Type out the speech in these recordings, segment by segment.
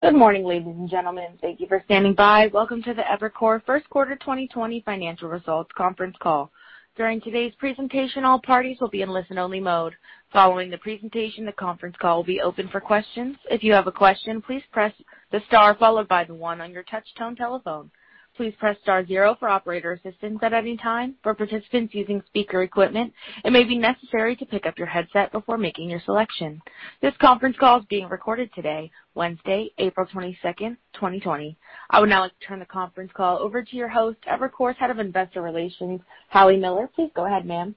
Good morning, ladies and gentlemen. Thank you for standing by. Welcome to the Evercore first quarter 2020 financial results conference call. During today's presentation, all parties will be in listen-only mode. Following the presentation, the conference call will be open for questions. If you have a question, please press the star followed by the one on your touchtone telephone. Please press star zero for operator assistance at any time. For participants using speaker equipment, it may be necessary to pick up your headset before making your selection. This conference call is being recorded today, Wednesday, April 22, 2020. I would now like to turn the conference call over to your host, Evercore's Head of Investor Relations, Hallie Miller. Please go ahead, ma'am.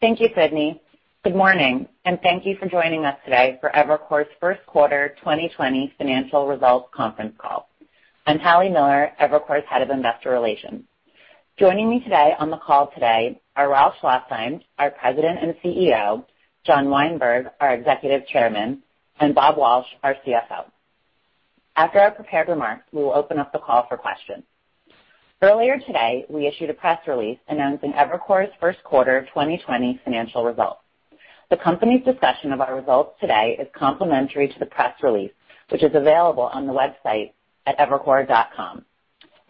Thank you, Sydney. Good morning, and thank you for joining us today for Evercore's first quarter 2020 financial results conference call. I'm Hallie Miller, Evercore's Head of Investor Relations. Joining me today on the call are Ralph Schlosstein, our President and CEO, John Weinberg, our Executive Chairman, and Bob Walsh, our CFO. After our prepared remarks, we will open up the call for questions. Earlier today, we issued a press release announcing Evercore's first quarter 2020 financial results. The company's discussion of our results today is complementary to the press release, which is available on the website at evercore.com.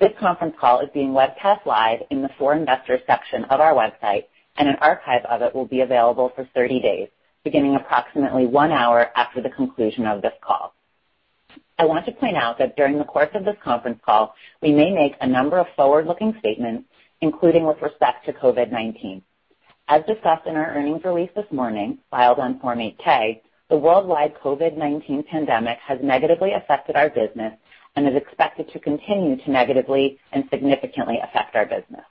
This conference call is being webcast live in the For Investors section of our website, and an archive of it will be available for 30 days, beginning approximately one hour after the conclusion of this call. I want to point out that during the course of this conference call, we may make a number of forward-looking statements, including with respect to COVID-19. As discussed in our earnings release this morning, filed on Form 8-K, the worldwide COVID-19 pandemic has negatively affected our business and is expected to continue to negatively and significantly affect our business.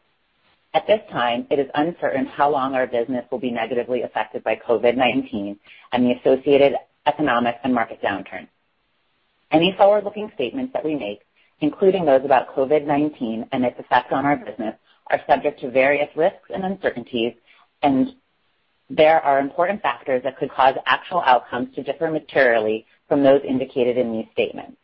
At this time, it is uncertain how long our business will be negatively affected by COVID-19 and the associated economic and market downturn. Any forward-looking statements that we make, including those about COVID-19 and its effect on our business, are subject to various risks and uncertainties, and there are important factors that could cause actual outcomes to differ materially from those indicated in these statements.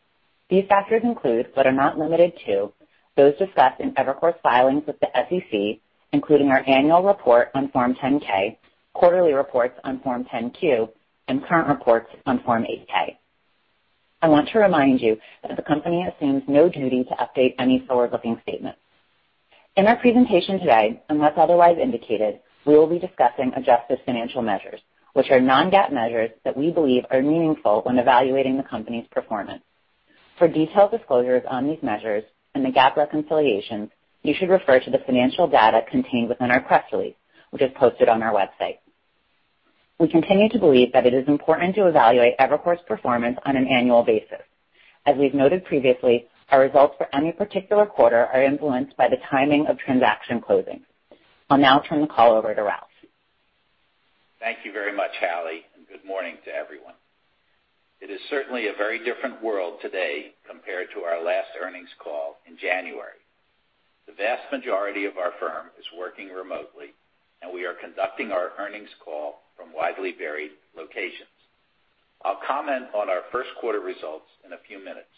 These factors include, but are not limited to, those discussed in Evercore's filings with the SEC, including our annual report on Form 10-K, quarterly reports on Form 10-Q, and current reports on Form 8-K. I want to remind you that the company assumes no duty to update any forward-looking statements. In our presentation today, unless otherwise indicated, we will be discussing adjusted financial measures, which are non-GAAP measures that we believe are meaningful when evaluating the company's performance. For detailed disclosures on these measures and the GAAP reconciliations, you should refer to the financial data contained within our press release, which is posted on our website. We continue to believe that it is important to evaluate Evercore's performance on an annual basis. As we've noted previously, our results for any particular quarter are influenced by the timing of transaction closings. I'll now turn the call over to Ralph. Thank you very much, Hallie. Good morning to everyone. It is certainly a very different world today compared to our last earnings call in January. The vast majority of our firm is working remotely, and we are conducting our earnings call from widely varied locations. I'll comment on our first quarter results in a few minutes,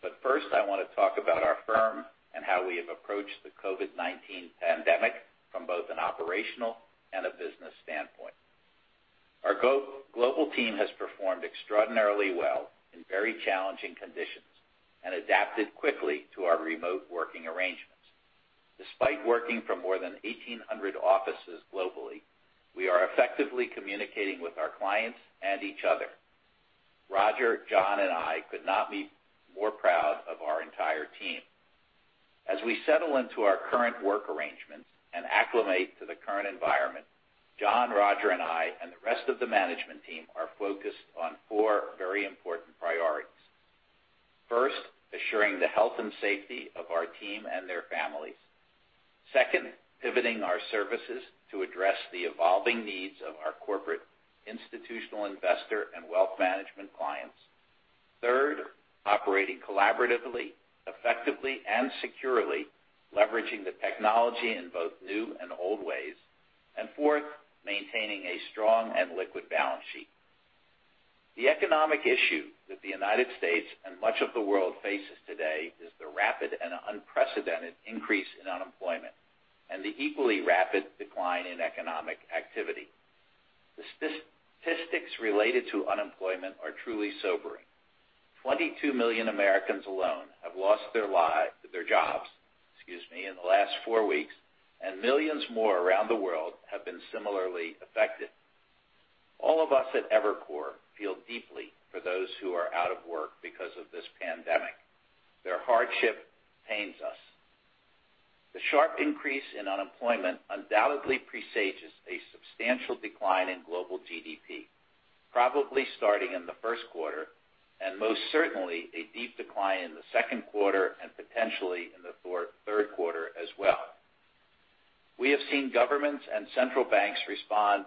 but first, I want to talk about our firm and how we have approached the COVID-19 pandemic from both an operational and a business standpoint. Our global team has performed extraordinarily well in very challenging conditions and adapted quickly to our remote working arrangements. Despite working from more than 1,800 offices globally, we are effectively communicating with our clients and each other. Roger, John, and I could not be more proud of our entire team. As we settle into our current work arrangements and acclimate to the current environment, John, Roger, and I, and the rest of the management team are focused on four very important priorities. First, assuring the health and safety of our team and their families. Second, pivoting our services to address the evolving needs of our corporate, institutional investor, and wealth management clients. Third, operating collaboratively, effectively, and securely, leveraging the technology in both new and old ways. Fourth, maintaining a strong and liquid balance sheet. The economic issue that the United States and much of the world faces today is the rapid and unprecedented increase in unemployment and the equally rapid decline in economic activity. The statistics related to unemployment are truly sobering. 22 million Americans alone have lost their jobs in the last 4 weeks. Millions more around the world have been similarly affected. All of us at Evercore feel deeply for those who are out of work because of this pandemic. Their hardship pains us. The sharp increase in unemployment undoubtedly presages a substantial decline in global GDP, probably starting in the first quarter. Most certainly a deep decline in the second quarter and potentially in the third quarter as well. We have seen governments and central banks respond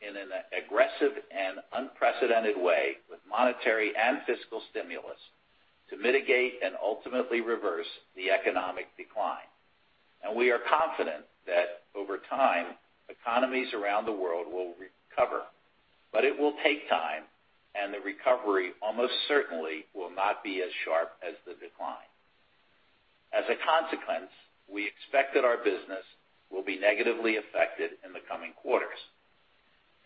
in an aggressive and unprecedented way with monetary and fiscal stimulus to mitigate and ultimately reverse the economic decline. We are confident that over time, economies around the world will recover, but it will take time, and the recovery almost certainly will not be as sharp as the decline. As a consequence, we expect that our business will be negatively affected in the coming quarters.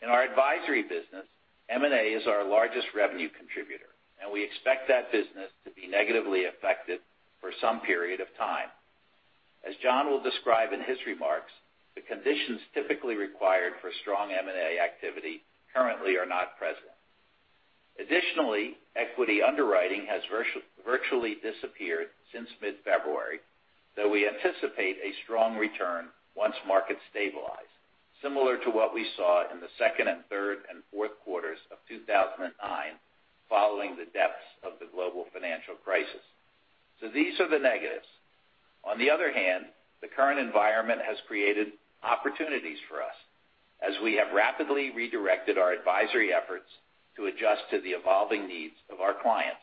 In our advisory business, M&A is our largest revenue contributor, and we expect that business to be negatively affected for some period of time. As John will describe in his remarks, the conditions typically required for strong M&A activity currently are not present. Additionally, equity underwriting has virtually disappeared since mid-February, though we anticipate a strong return once markets stabilize, similar to what we saw in the second, third, and fourth quarters of 2009, following the depths of the global financial crisis. These are the negatives. On the other hand, the current environment has created opportunities for us as we have rapidly redirected our advisory efforts to adjust to the evolving needs of our clients.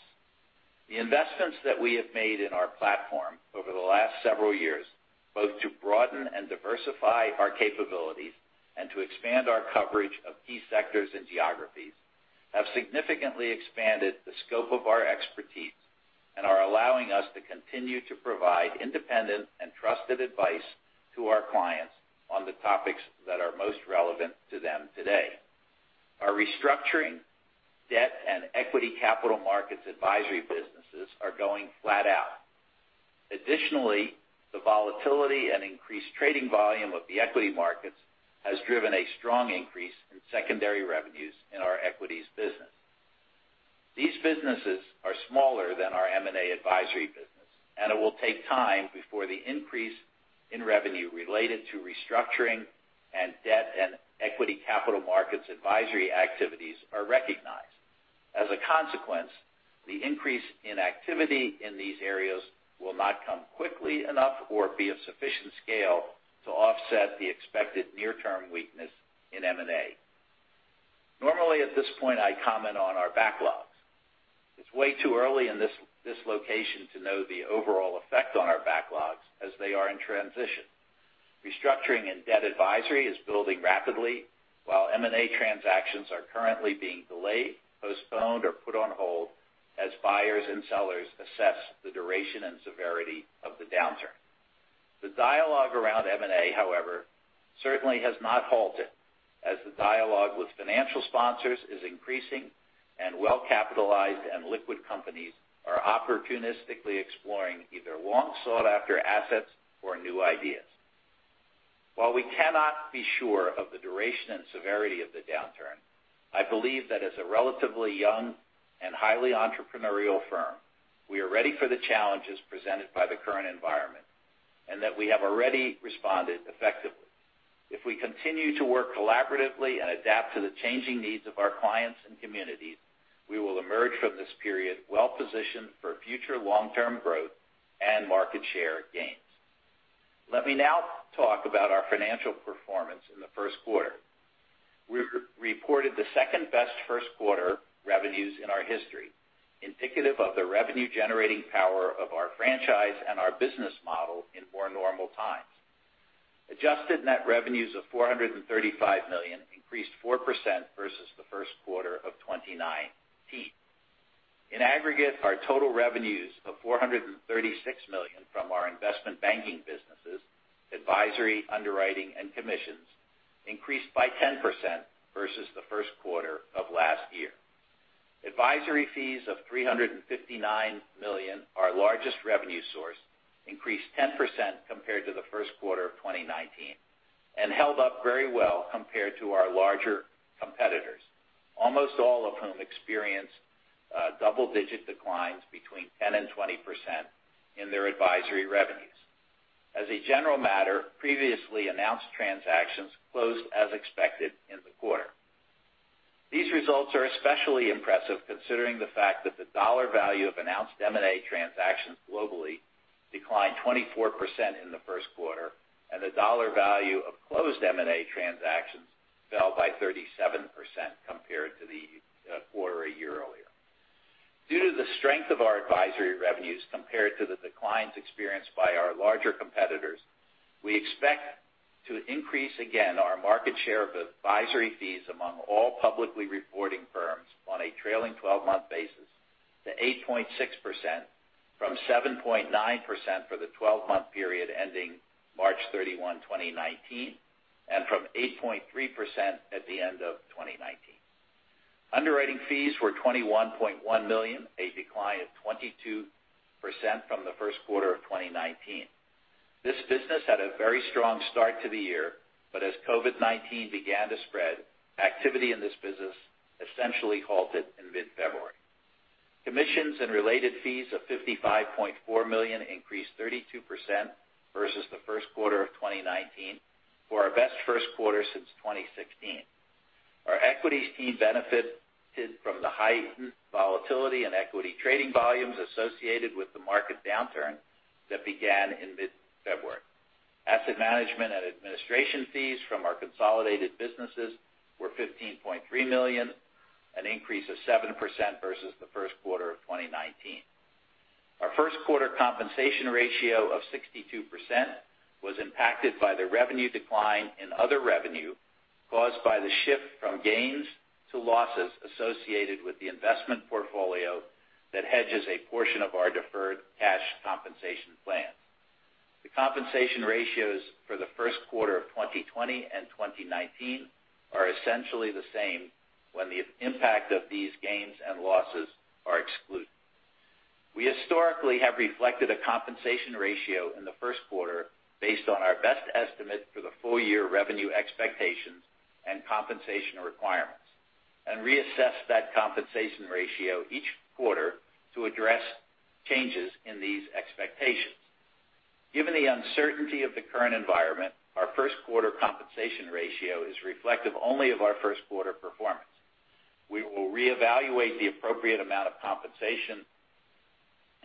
The investments that we have made in our platform over the last several years, both to broaden and diversify our capabilities and to expand our coverage of key sectors and geographies, have significantly expanded the scope of our expertise and are allowing us to continue to provide independent and trusted advice to our clients on the topics that are most relevant to them today. Our restructuring, debt, and equity capital markets advisory businesses are going flat out. Additionally, the volatility and increased trading volume of the equity markets has driven a strong increase in secondary revenues in our equities business. These businesses are smaller than our M&A advisory business, and it will take time before the increase in revenue related to restructuring and debt and equity capital markets advisory activities are recognized. As a consequence, the increase in activity in these areas will not come quickly enough or be of sufficient scale to offset the expected near-term weakness in M&A. Normally, at this point, I comment on our backlogs. It's way too early in this location to know the overall effect on our backlogs as they are in transition. Restructuring and debt advisory is building rapidly, while M&A transactions are currently being delayed, postponed, or put on hold as buyers and sellers assess the duration and severity of the downturn. The dialogue around M&A, however, certainly has not halted, as the dialogue with financial sponsors is increasing, and well-capitalized and liquid companies are opportunistically exploring either long-sought-after assets or new ideas. While we cannot be sure of the duration and severity of the downturn, I believe that as a relatively young and highly entrepreneurial firm, we are ready for the challenges presented by the current environment, and that we have already responded effectively. If we continue to work collaboratively and adapt to the changing needs of our clients and communities, we will emerge from this period well-positioned for future long-term growth and market share gains. Let me now talk about our financial performance in the first quarter. We reported the second-best first quarter revenues in our history, indicative of the revenue-generating power of our franchise and our business model in more normal times. Adjusted net revenues of $435 million increased 4% versus the first quarter of 2019. In aggregate, our total revenues of $436 million from our investment banking businesses, advisory, underwriting, and commissions increased by 10% versus the first quarter of last year. Advisory fees of $359 million, our largest revenue source, increased 10% compared to the first quarter of 2019 and held up very well compared to our larger competitors, almost all of whom experienced double-digit declines between 10%-20% in their advisory revenues. As a general matter, previously announced transactions closed as expected in the quarter. These results are especially impressive considering the fact that the dollar value of announced M&A transactions globally declined 24% in the first quarter, and the dollar value of closed M&A transactions fell by 37% compared to the quarter a year earlier. Due to the strength of our advisory revenues compared to the declines experienced by our larger competitors, we expect to increase again our market share of advisory fees among all publicly reporting firms on a trailing 12-month basis to 8.6%, from 7.9% for the 12-month period ending March 31, 2019, and from 8.3% at the end of 2019. Underwriting fees were $21.1 million, a decline of 22% from the first quarter of 2019. This business had a very strong start to the year. As COVID-19 began to spread, activity in this business essentially halted in mid-February. Commissions and related fees of $55.4 million increased 32% versus the first quarter of 2019 for our best first quarter since 2016. Our equities team benefited from the heightened volatility in equity trading volumes associated with the market downturn that began in mid-February. Asset management and administration fees from our consolidated businesses were $15.3 million, an increase of 7% versus the first quarter of 2019. Our first quarter compensation ratio of 62% was impacted by the revenue decline in other revenue caused by the shift from gains to losses associated with the investment portfolio that hedges a portion of our deferred cash compensation plan. The compensation ratios for the first quarter of 2020 and 2019 are essentially the same when the impact of these gains and losses are excluded. We historically have reflected a compensation ratio in the first quarter based on our best estimate for the full-year revenue expectations and compensation requirements, and reassess that compensation ratio each quarter to address changes in these expectations. Given the uncertainty of the current environment, our first-quarter compensation ratio is reflective only of our first-quarter performance. We will reevaluate the appropriate amount of compensation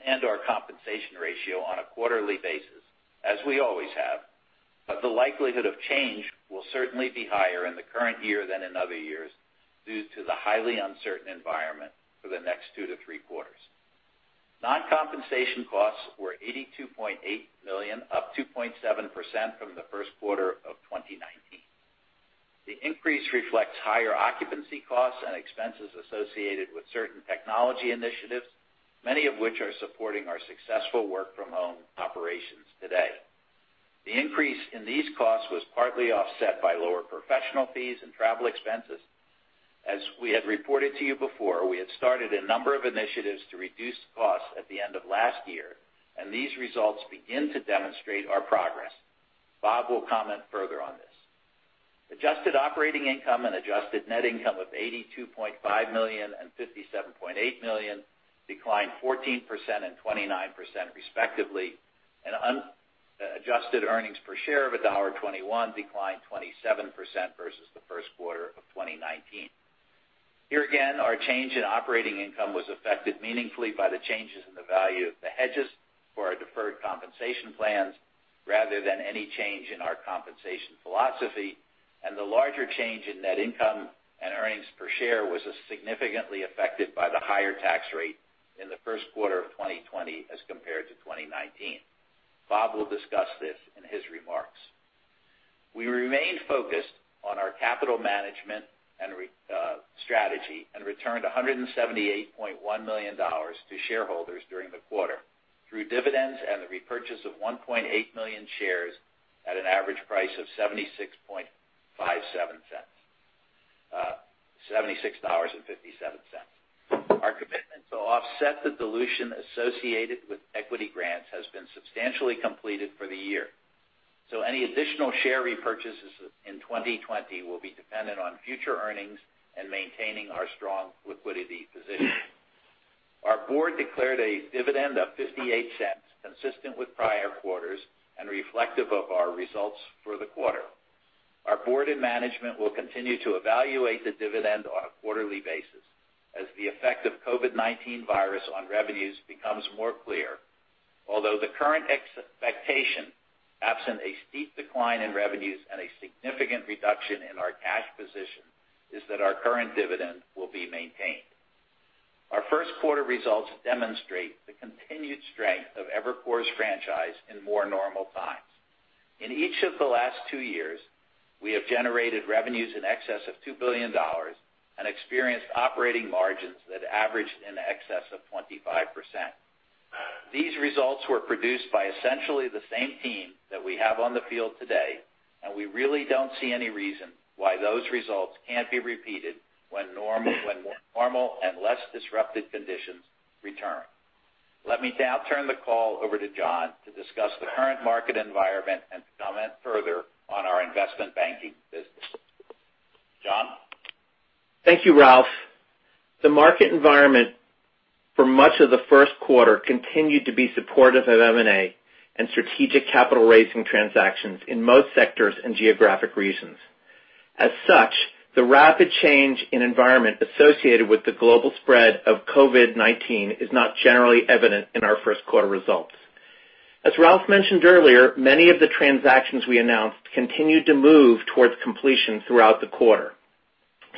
and our compensation ratio on a quarterly basis, as we always have. The likelihood of change will certainly be higher in the current year than in other years due to the highly uncertain environment for the next two to three quarters. Non-compensation costs were $82.8 million, up 2.7% from the first quarter of 2019. The increase reflects higher occupancy costs and expenses associated with certain technology initiatives, many of which are supporting our successful work-from-home operations today. The increase in these costs was partly offset by lower professional fees and travel expenses. As we had reported to you before, we had started a number of initiatives to reduce costs at the end of last year, and these results begin to demonstrate our progress. Bob will comment further on this. Adjusted operating income and adjusted net income of $82.5 million and $57.8 million declined 14% and 29%, respectively, and adjusted earnings per share of $1.21 declined 27% versus the first quarter of 2019. Here again, our change in operating income was affected meaningfully by the changes in the value of the hedges for our deferred compensation plans rather than any change in our compensation philosophy. The larger change in net income and earnings per share was significantly affected by the higher tax rate in the first quarter of 2020 as compared to 2019. Bob will discuss this in his remarks. We remain focused on our capital management strategy and returned $178.1 million to shareholders during the quarter through dividends and the repurchase of 1.8 million shares at an average price of $76.57. Our commitment to offset the dilution associated with equity grants has been substantially completed for the year. Any additional share repurchases in 2020 will be dependent on future earnings and maintaining our strong liquidity position. Our board declared a dividend of $0.58, consistent with prior quarters and reflective of our results for the quarter. Our board and management will continue to evaluate the dividend on a quarterly basis as the effect of COVID-19 virus on revenues becomes more clear. Although the current expectation, absent a steep decline in revenues and a significant reduction in our cash position, is that our current dividend will be maintained. Our first-quarter results demonstrate the continued strength of Evercore's franchise in more normal times. In each of the last two years, we have generated revenues in excess of $2 billion and experienced operating margins that averaged in excess of 25%. These results were produced by essentially the same team that we have on the field today. We really don't see any reason why those results can't be repeated when more normal and less disrupted conditions return. Let me now turn the call over to John to discuss the current market environment and comment further on our investment banking business. John? Thank you, Ralph. The market environment for much of the first quarter continued to be supportive of M&A and strategic capital-raising transactions in most sectors and geographic regions. As such, the rapid change in environment associated with the global spread of COVID-19 is not generally evident in our first quarter results. As Ralph mentioned earlier, many of the transactions we announced continued to move towards completion throughout the quarter.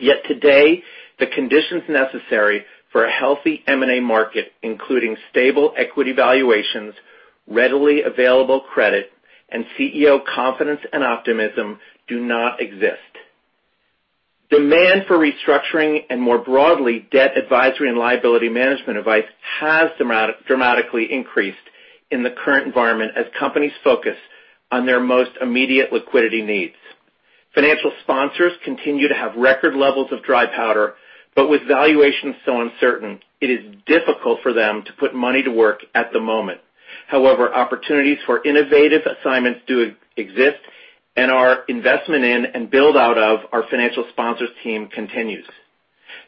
Yet today, the conditions necessary for a healthy M&A market, including stable equity valuations, readily available credit, and CEO confidence and optimism, do not exist. Demand for restructuring and, more broadly, debt advisory and liability management advice has dramatically increased in the current environment as companies focus on their most immediate liquidity needs. Financial sponsors continue to have record levels of dry powder, but with valuations so uncertain, it is difficult for them to put money to work at the moment. However, opportunities for innovative assignments do exist, and our investment in and build-out of our financial sponsors team continues.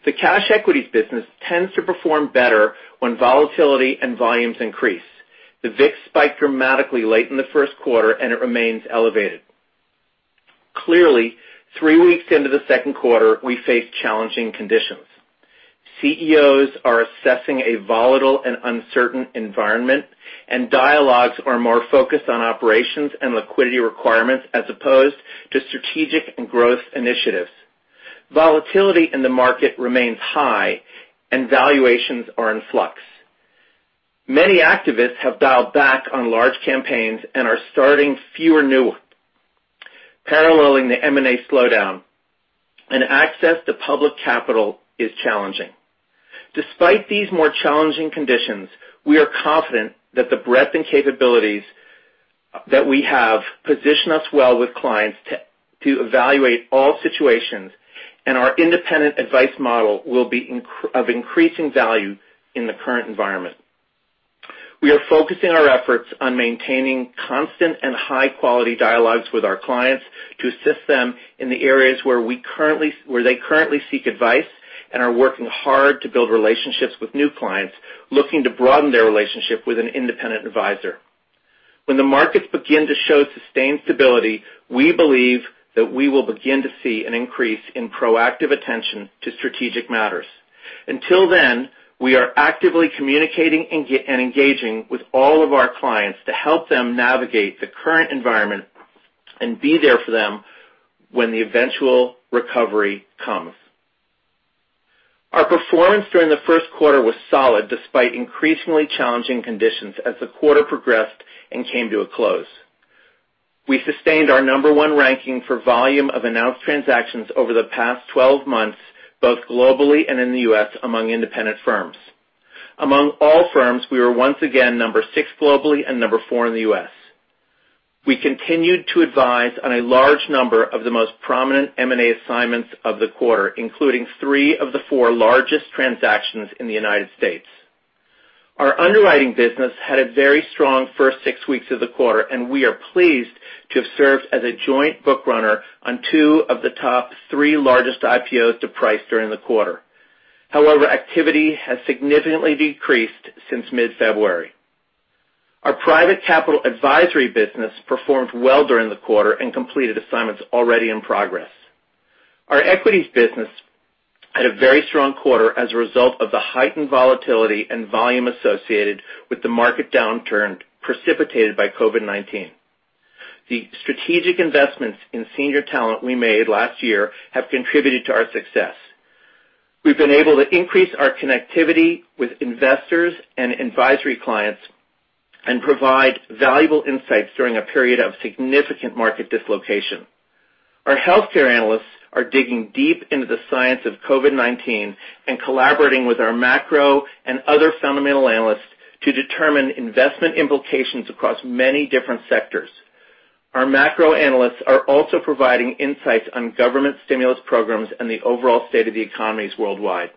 The cash equities business tends to perform better when volatility and volumes increase. The VIX spiked dramatically late in the first quarter, and it remains elevated. Clearly, three weeks into the second quarter, we face challenging conditions. CEOs are assessing a volatile and uncertain environment, and dialogues are more focused on operations and liquidity requirements as opposed to strategic and growth initiatives. Volatility in the market remains high, and valuations are in flux. Many activists have dialed back on large campaigns and are starting fewer new ones, paralleling the M&A slowdown, and access to public capital is challenging. Despite these more challenging conditions, we are confident that the breadth and capabilities that we have position us well with clients to evaluate all situations, and our independent advice model will be of increasing value in the current environment. We are focusing our efforts on maintaining constant and high-quality dialogues with our clients to assist them in the areas where they currently seek advice, and are working hard to build relationships with new clients looking to broaden their relationship with an independent advisor. When the markets begin to show sustained stability, we believe that we will begin to see an increase in proactive attention to strategic matters. Until then, we are actively communicating and engaging with all of our clients to help them navigate the current environment and be there for them when the eventual recovery comes. Our performance during the first quarter was solid, despite increasingly challenging conditions as the quarter progressed and came to a close. We sustained our number one ranking for volume of announced transactions over the past 12 months, both globally and in the U.S. among independent firms. Among all firms, we were once again number six globally and number four in the U.S. We continued to advise on a large number of the most prominent M&A assignments of the quarter, including three of the four largest transactions in the United States. Our underwriting business had a very strong first six weeks of the quarter, and we are pleased to have served as a joint bookrunner on two of the top three largest IPOs to price during the quarter. However, activity has significantly decreased since mid-February. Our private capital advisory business performed well during the quarter and completed assignments already in progress. Our equities business had a very strong quarter as a result of the heightened volatility and volume associated with the market downturn precipitated by COVID-19. The strategic investments in senior talent we made last year have contributed to our success. We've been able to increase our connectivity with investors and advisory clients and provide valuable insights during a period of significant market dislocation. Our healthcare analysts are digging deep into the science of COVID-19 and collaborating with our macro and other fundamental analysts to determine investment implications across many different sectors. Our macro analysts are also providing insights on government stimulus programs and the overall state of the economies worldwide.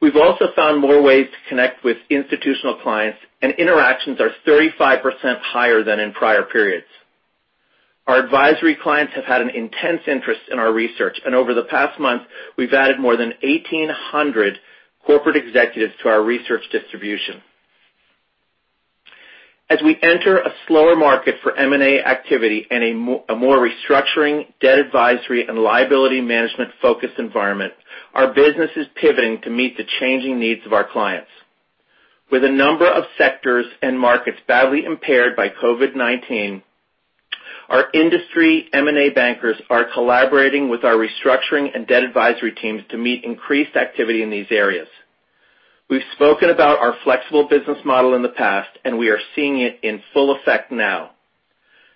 We've also found more ways to connect with institutional clients, and interactions are 35% higher than in prior periods. Our advisory clients have had an intense interest in our research, and over the past month, we've added more than 1,800 corporate executives to our research distribution. As we enter a slower market for M&A activity and a more restructuring, debt advisory, and liability management-focused environment, our business is pivoting to meet the changing needs of our clients. With a number of sectors and markets badly impaired by COVID-19, our industry M&A bankers are collaborating with our restructuring and debt advisory teams to meet increased activity in these areas. We've spoken about our flexible business model in the past, and we are seeing it in full effect now.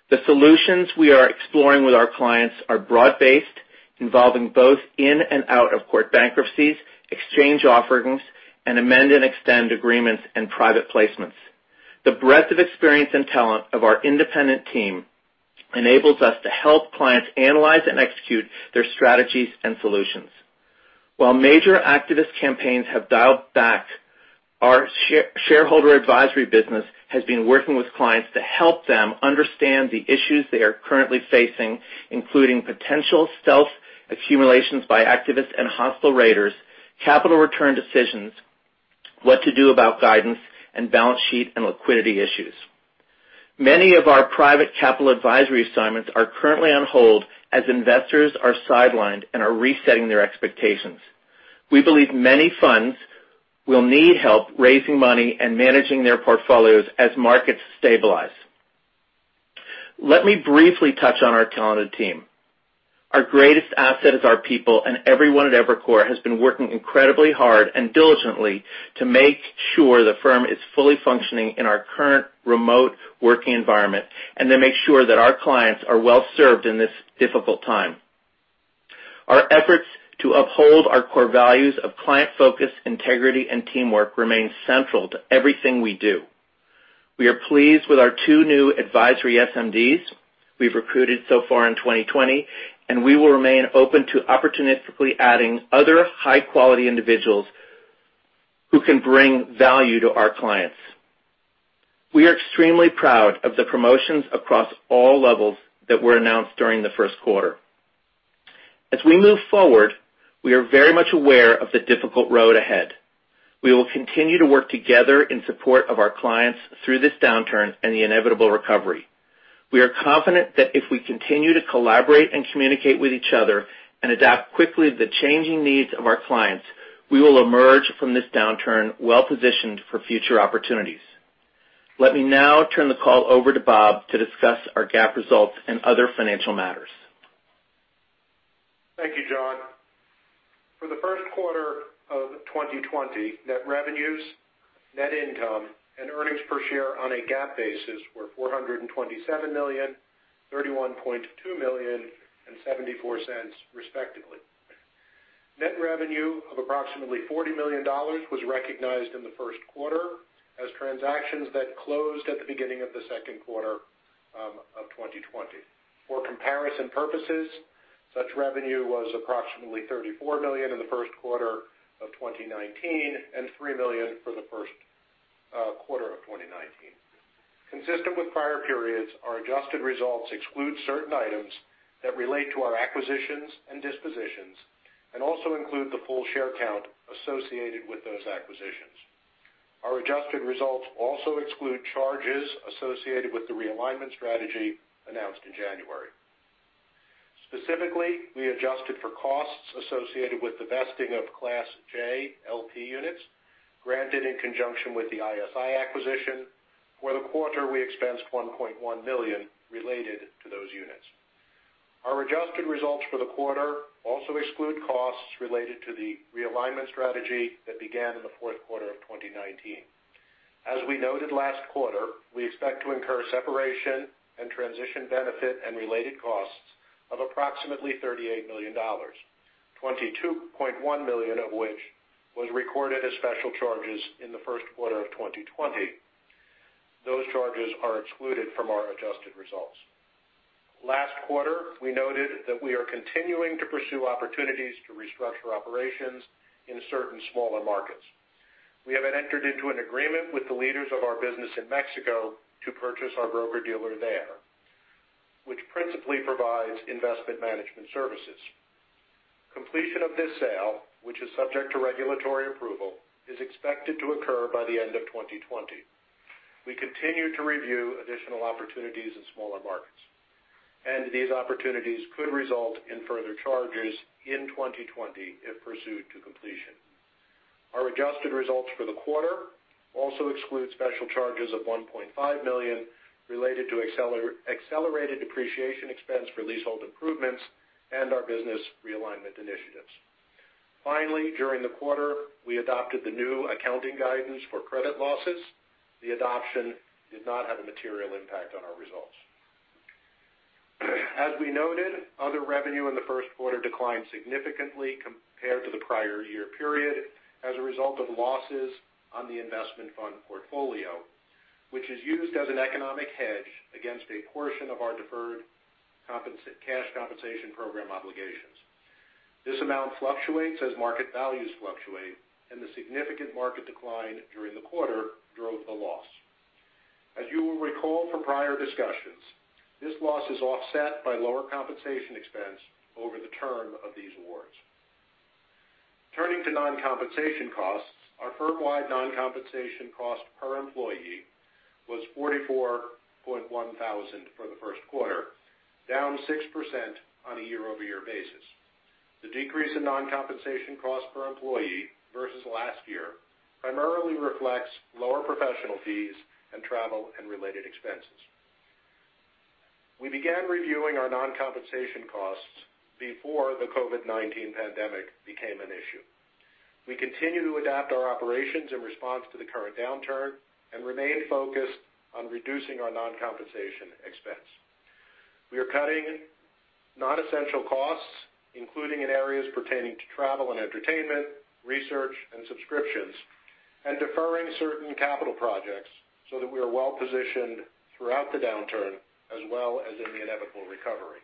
The solutions we are exploring with our clients are broad-based, involving both in and out-of-court bankruptcies, exchange offerings, and amend-and-extend agreements and private placements. The breadth of experience and talent of our independent team enables us to help clients analyze and execute their strategies and solutions. While major activist campaigns have dialed back, our shareholder advisory business has been working with clients to help them understand the issues they are currently facing, including potential stealth accumulations by activists and hostile raiders, capital return decisions, what to do about guidance, and balance sheet and liquidity issues. Many of our private capital advisory assignments are currently on hold as investors are sidelined and are resetting their expectations. We believe many funds will need help raising money and managing their portfolios as markets stabilize. Let me briefly touch on our talented team. Our greatest asset is our people, and everyone at Evercore has been working incredibly hard and diligently to make sure the firm is fully functioning in our current remote working environment, and to make sure that our clients are well served in this difficult time. Our efforts to uphold our core values of client focus, integrity, and teamwork remain central to everything we do. We are pleased with our two new advisory SMDs we've recruited so far in 2020, and we will remain open to opportunistically adding other high-quality individuals who can bring value to our clients. We are extremely proud of the promotions across all levels that were announced during the first quarter. As we move forward, we are very much aware of the difficult road ahead. We will continue to work together in support of our clients through this downturn and the inevitable recovery. We are confident that if we continue to collaborate and communicate with each other and adapt quickly to the changing needs of our clients, we will emerge from this downturn well-positioned for future opportunities. Let me now turn the call over to Bob to discuss our GAAP results and other financial matters. Thank you, John. For the first quarter of 2020, net revenues, net income, and earnings per share on a GAAP basis were $427 million, $31.2 million, and $0.74 respectively. Net revenue of approximately $40 million was recognized in the first quarter as transactions that closed at the beginning of the second quarter of 2020. For comparison purposes, such revenue was approximately $34 million in the first quarter of 2019 and $3 million for the first quarter of 2019. Consistent with prior periods, our adjusted results exclude certain items that relate to our acquisitions and dispositions and also include the full share count associated with those acquisitions. Our adjusted results also exclude charges associated with the realignment strategy announced in January. Specifically, we adjusted for costs associated with the vesting of Class J LP units granted in conjunction with the ISI acquisition, where the quarter we expensed $1.1 million related to those units. Our adjusted results for the quarter also exclude costs related to the realignment strategy that began in the fourth quarter of 2019. As we noted last quarter, we expect to incur separation and transition benefit and related costs of approximately $38 million, $22.1 million of which was recorded as special charges in the first quarter of 2020. Those charges are excluded from our adjusted results. Last quarter, we noted that we are continuing to pursue opportunities to restructure operations in certain smaller markets. We have entered into an agreement with the leaders of our business in Mexico to purchase our broker-dealer there, which principally provides investment management services. Completion of this sale, which is subject to regulatory approval, is expected to occur by the end of 2020. We continue to review additional opportunities in smaller markets, and these opportunities could result in further charges in 2020 if pursued to completion. Our adjusted results for the quarter also exclude special charges of $1.5 million related to accelerated depreciation expense for leasehold improvements and our business realignment initiatives. Finally, during the quarter, we adopted the new accounting guidance for credit losses. The adoption did not have a material impact on our results. As we noted, other revenue in the first quarter declined significantly compared to the prior year period as a result of losses on the investment fund portfolio, which is used as an economic hedge against a portion of our deferred cash compensation program obligations. This amount fluctuates as market values fluctuate, and the significant market decline during the quarter drove the loss. As you will recall from prior discussions, this loss is offset by lower compensation expense over the term of these awards. Turning to non-compensation costs, our firm-wide non-compensation cost per employee was $44.1 thousand for the first quarter, down 6% on a year-over-year basis. The decrease in non-compensation cost per employee versus last year primarily reflects lower professional fees and travel and related expenses. We began reviewing our non-compensation costs before the COVID-19 pandemic became an issue. We continue to adapt our operations in response to the current downturn and remain focused on reducing our non-compensation expense. We are cutting non-essential costs, including in areas pertaining to travel and entertainment, research, and subscriptions, and deferring certain capital projects so that we are well-positioned throughout the downturn as well as in the inevitable recovery.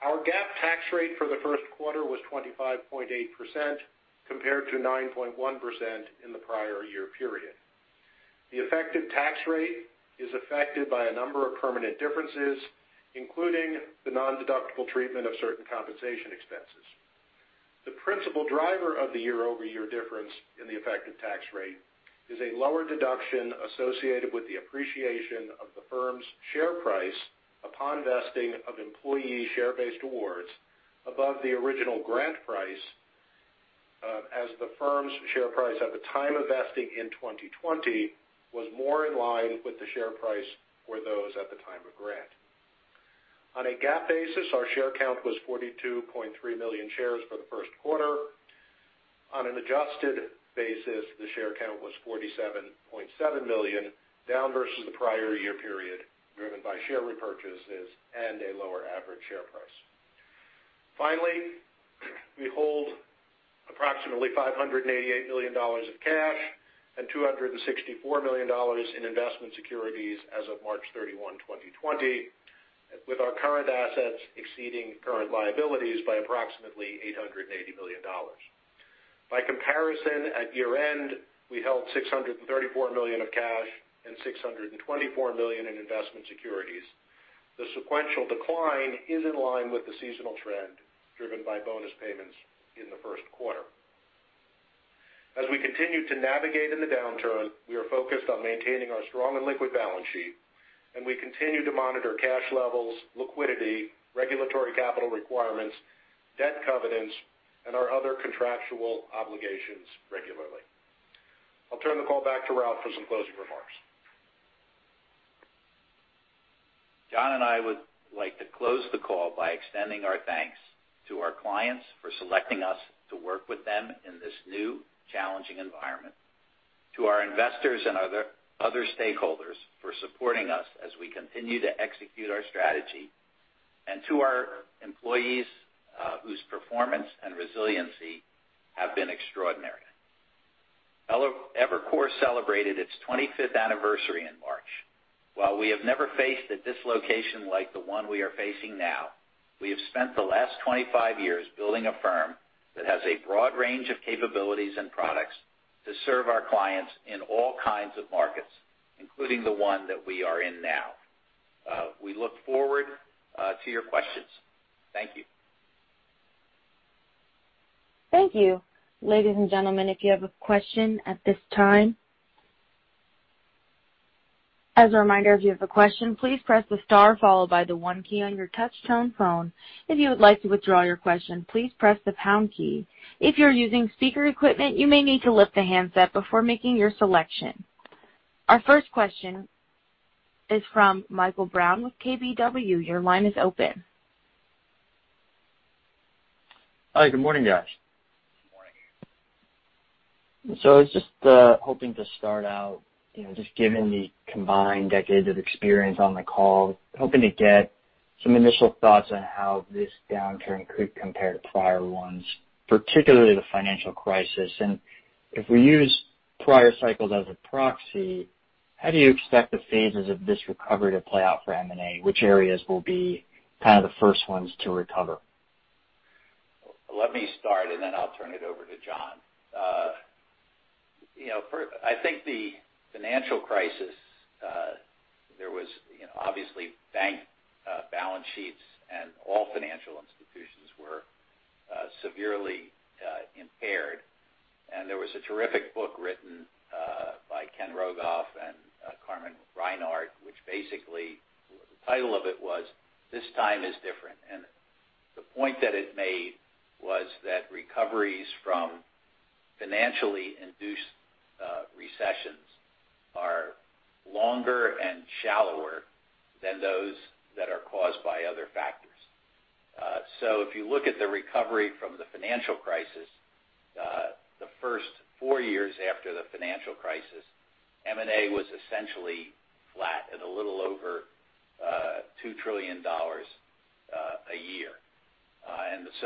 Our GAAP tax rate for the first quarter was 25.8% compared to 9.1% in the prior year period. The effective tax rate is affected by a number of permanent differences, including the non-deductible treatment of certain compensation expenses. The principal driver of the year-over-year difference in the effective tax rate is a lower deduction associated with the appreciation of the firm's share price upon vesting of employee share-based awards above the original grant price, as the firm's share price at the time of vesting in 2020 was more in line with the share price for those at the time of grant. On a GAAP basis, our share count was 42.3 million shares for the first quarter. On an adjusted basis, the share count was 47.7 million, down versus the prior year period, driven by share repurchases and a lower average share price. Finally, we hold approximately $588 million of cash and $264 million in investment securities as of March 31, 2020, with our current assets exceeding current liabilities by approximately $880 million. By comparison, at year-end, we held $634 million of cash and $624 million in investment securities. The sequential decline is in line with the seasonal trend driven by bonus payments in the first quarter. As we continue to navigate in the downturn, we are focused on maintaining our strong and liquid balance sheet, and we continue to monitor cash levels, liquidity, regulatory capital requirements, debt covenants, and our other contractual obligations regularly. I'll turn the call back to Ralph for some closing remarks. John and I would like to close the call by extending our thanks to our clients for selecting us to work with them in this new challenging environment, to our investors and other stakeholders for supporting us as we continue to execute our strategy, and to our employees, whose performance and resiliency have been extraordinary. Evercore celebrated its 25th anniversary in March. While we have never faced a dislocation like the one we are facing now, we have spent the last 25 years building a firm that has a broad range of capabilities and products to serve our clients in all kinds of markets, including the one that we are in now. We look forward to your questions. Thank you. Thank you. Ladies and gentlemen, if you have a question at this time. As a reminder, if you have a question, please press the star followed by the one key on your touch tone phone. If you would like to withdraw your question, please press the pound key. If you're using speaker equipment, you may need to lift the handset before making your selection. Our first question is from Michael Brown with KBW. Your line is open. Hi, good morning, guys. Good morning. I was just hoping to start out, just given the combined decades of experience on the call, hoping to get some initial thoughts on how this downturn could compare to prior ones, particularly the financial crisis. If we use prior cycles as a proxy, how do you expect the phases of this recovery to play out for M&A? Which areas will be kind of the first ones to recover? Let me start, and then I'll turn it over to John. I think the financial crisis, there was obviously bank balance sheets, and all financial institutions were severely impaired. There was a terrific book written by Kenneth Rogoff and Carmen Reinhart, which basically the title of it was "This Time Is Different." The point that it made was that recoveries from financially induced recessions are longer and shallower than those that are caused by other factors. If you look at the recovery from the financial crisis, the first four years after the financial crisis, M&A was essentially flat at a little over $2 trillion a year.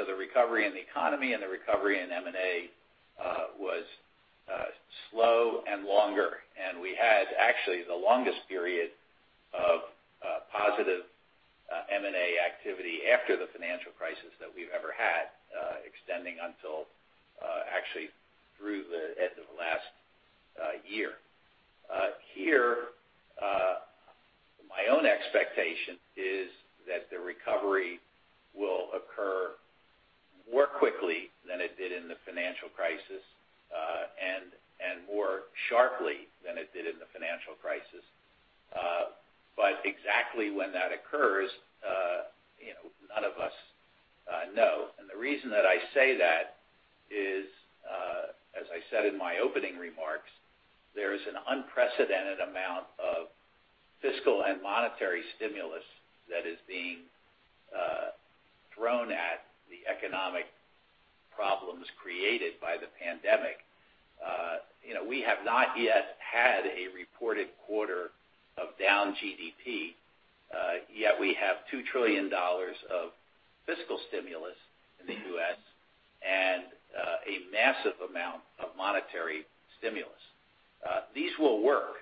The recovery in the economy and the recovery in M&A was slow and longer. We had actually the longest period of positive M&A activity after the financial crisis that we've ever had extending until actually through the end of last year. Here, my own expectation is that the recovery will occur more quickly than it did in the financial crisis, and more sharply than it did in the financial crisis. Exactly when that occurs, none of us know. The reason that I say that is, as I said in my opening remarks, there is an unprecedented amount of fiscal and monetary stimulus that is being thrown at the economic problems created by the pandemic. We have not yet had a reported quarter of down GDP, yet we have $2 trillion of fiscal stimulus in the U.S. and a massive amount of monetary stimulus. These will work.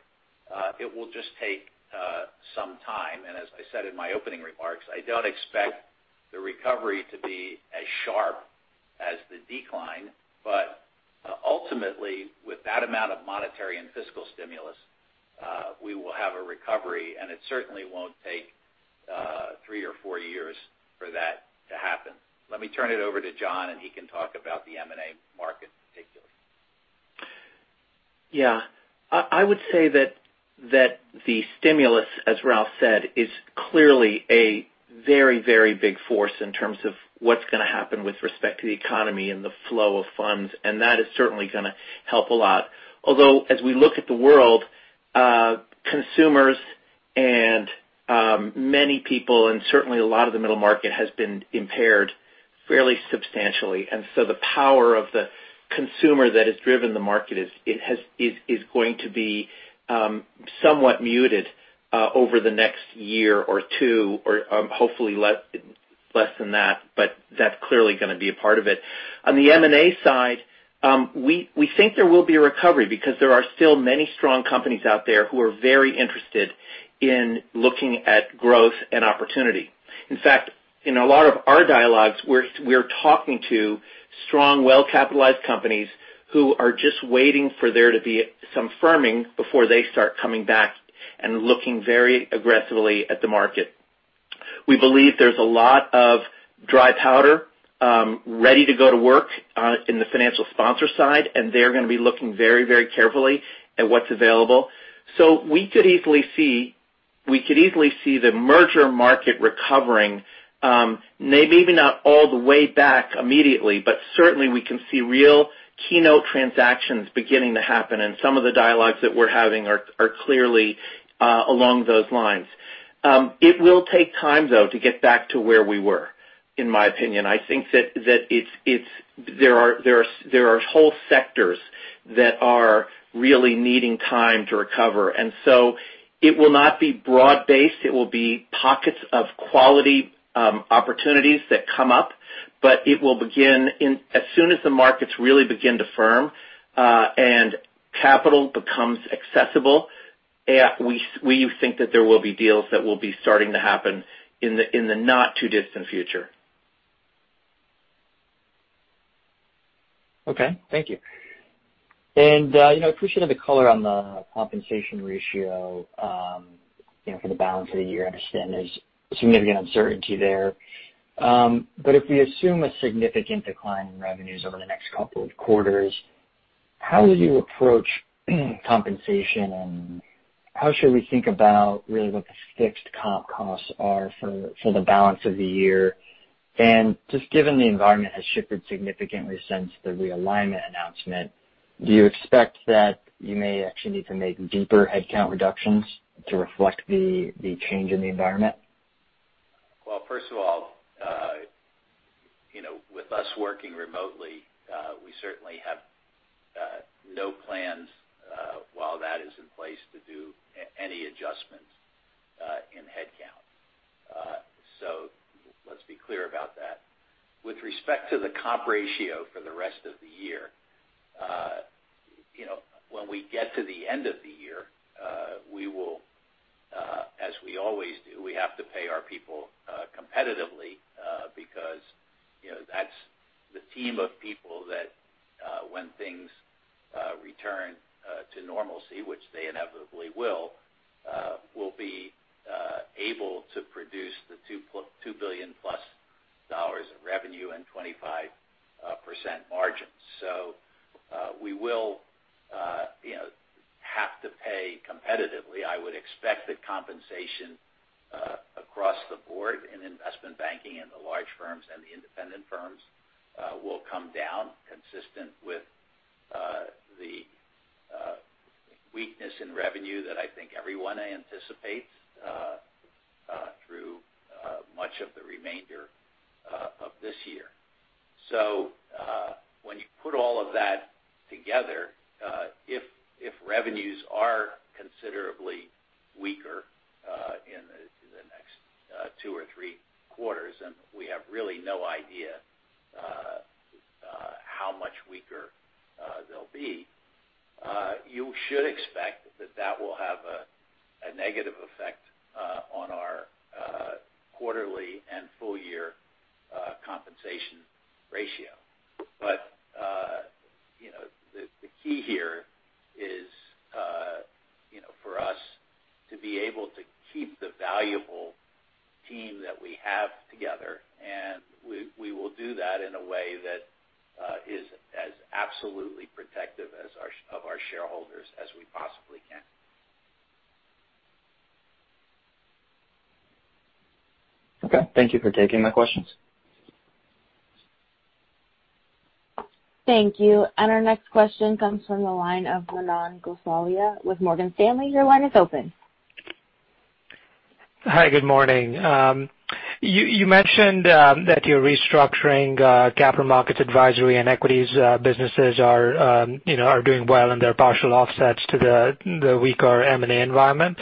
It will just take some time. As I said in my opening remarks, I don't expect the recovery to be as sharp as the decline. Ultimately, with that amount of monetary and fiscal stimulus, we will have a recovery, and it certainly won't take three or four years for that to happen. Let me turn it over to John, and he can talk about the M&A market in particular. I would say that the stimulus, as Ralph said, is clearly a very, very big force in terms of what's going to happen with respect to the economy and the flow of funds. That is certainly going to help a lot. As we look at the world, consumers and many people, and certainly a lot of the middle market has been impaired fairly substantially. So the power of the consumer that has driven the market is going to be somewhat muted over the next year or two or hopefully less than that, but that's clearly going to be a part of it. On the M&A side, we think there will be a recovery because there are still many strong companies out there who are very interested in looking at growth and opportunity. In fact, in a lot of our dialogues, we're talking to strong, well-capitalized companies who are just waiting for there to be some firming before they start coming back and looking very aggressively at the market. We believe there's a lot of dry powder ready to go to work in the financial sponsor side, and they're going to be looking very, very carefully at what's available. We could easily see the merger market recovering maybe not all the way back immediately, but certainly we can see real keynote transactions beginning to happen, and some of the dialogues that we're having are clearly along those lines. It will take time, though, to get back to where we were, in my opinion. I think that there are whole sectors that are really needing time to recover. It will not be broad-based. It will be pockets of quality opportunities that come up. It will begin as soon as the markets really begin to firm and capital becomes accessible. We think that there will be deals that will be starting to happen in the not too distant future. Okay. Thank you. I appreciate all the color on the compensation ratio for the balance of the year. I understand there's significant uncertainty there. If we assume a significant decline in revenues over the next couple of quarters, how would you approach compensation and how should we think about really what the fixed comp costs are for the balance of the year? Just given the environment has shifted significantly since the realignment announcement, do you expect that you may actually need to make deeper headcount reductions to reflect the change in the environment? First of all, with us working remotely, we certainly have no plans while that is in place to do any adjustments in headcount. Let's be clear about that. With respect to the comp ratio for the rest of the year, when we get to the end of the year, as we always do, we have to pay our people competitively because that's the team of people that when things return to normalcy, which they inevitably will be able to produce the +$2 billion of revenue and 25% margins. We will have to pay competitively. I would expect that compensation across the board in investment banking and the large firms and the independent firms will come down consistent with the weakness in revenue that I think everyone anticipates through much of the remainder of this year. When you put all of that together, if revenues are considerably weaker in the next two or three quarters, and we have really no idea how much weaker they'll be, you should expect that that will have a negative effect on our quarterly and full year compensation ratio. The key here is for us to be able to keep the valuable team that we have together, and we will do that in a way that is as absolutely protective of our shareholders as we possibly can. Okay. Thank you for taking my questions. Thank you. Our next question comes from the line of Manan Gosalia with Morgan Stanley. Your line is open. Hi, good morning. You mentioned that you're restructuring capital markets advisory and equities businesses are doing well and they're partial offsets to the weaker M&A environment.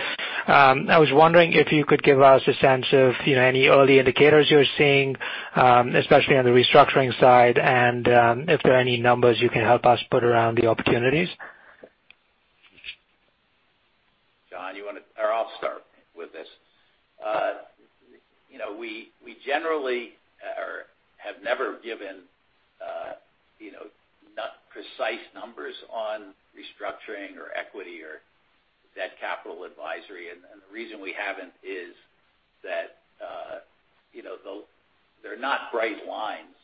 I was wondering if you could give us a sense of any early indicators you're seeing, especially on the restructuring side, and if there are any numbers you can help us put around the opportunities. John, or I'll start with this. We generally have never given not precise numbers on restructuring or equity or debt capital advisory. The reason we haven't is that they're not bright lines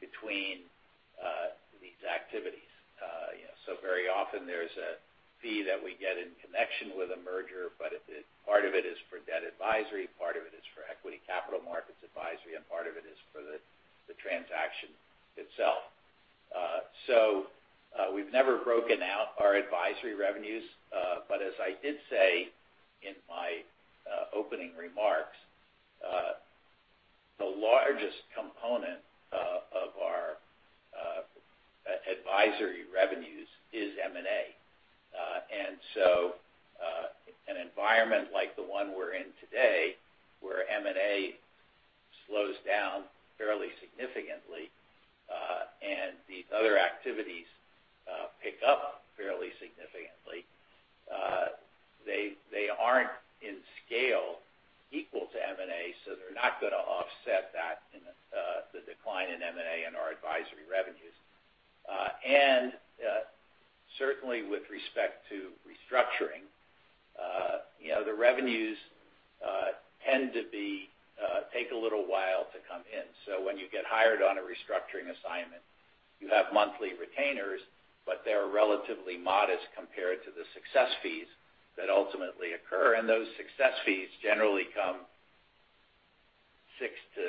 between these activities. Very often there's a fee that we get in connection with a merger, but part of it is for debt advisory, part of it is for equity capital markets advisory, and part of it is for the transaction itself. We've never broken out our advisory revenues. As I did say in my opening remarks, the largest component of our advisory revenues is M&A. An environment like the one we're in today, where M&A slows down fairly significantly, and these other activities pick up fairly significantly. They aren't in scale equal to M&A, they're not going to offset that in the decline in M&A and our advisory revenues. Certainly with respect to restructuring, the revenues tend to take a little while to come in. When you get hired on a restructuring assignment, you have monthly retainers, they're relatively modest compared to the success fees that ultimately occur, and those success fees generally come 6 to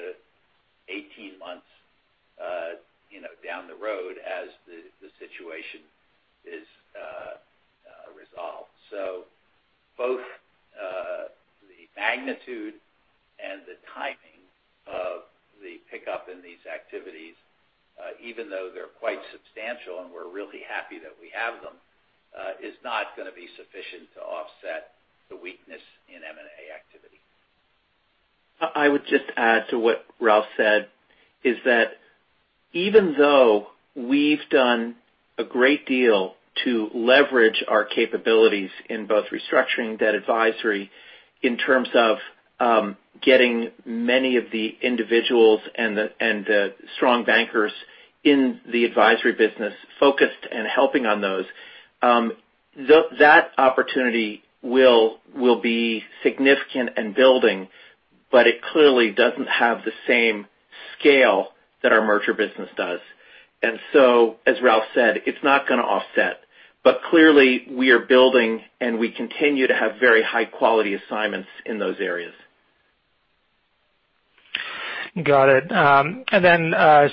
18 months down the road as the situation is resolved. Both the magnitude and the timing of the pickup in these activities, even though they're quite substantial and we're really happy that we have them, is not going to be sufficient to offset the weakness in M&A activity. I would just add to what Ralph said, is that even though we've done a great deal to leverage our capabilities in both restructuring debt advisory in terms of getting many of the individuals and the strong bankers in the advisory business focused and helping on those. That opportunity will be significant and building, but it clearly doesn't have the same scale that our merger business does. As Ralph said, it's not going to offset. Clearly, we are building, and we continue to have very high-quality assignments in those areas. Got it.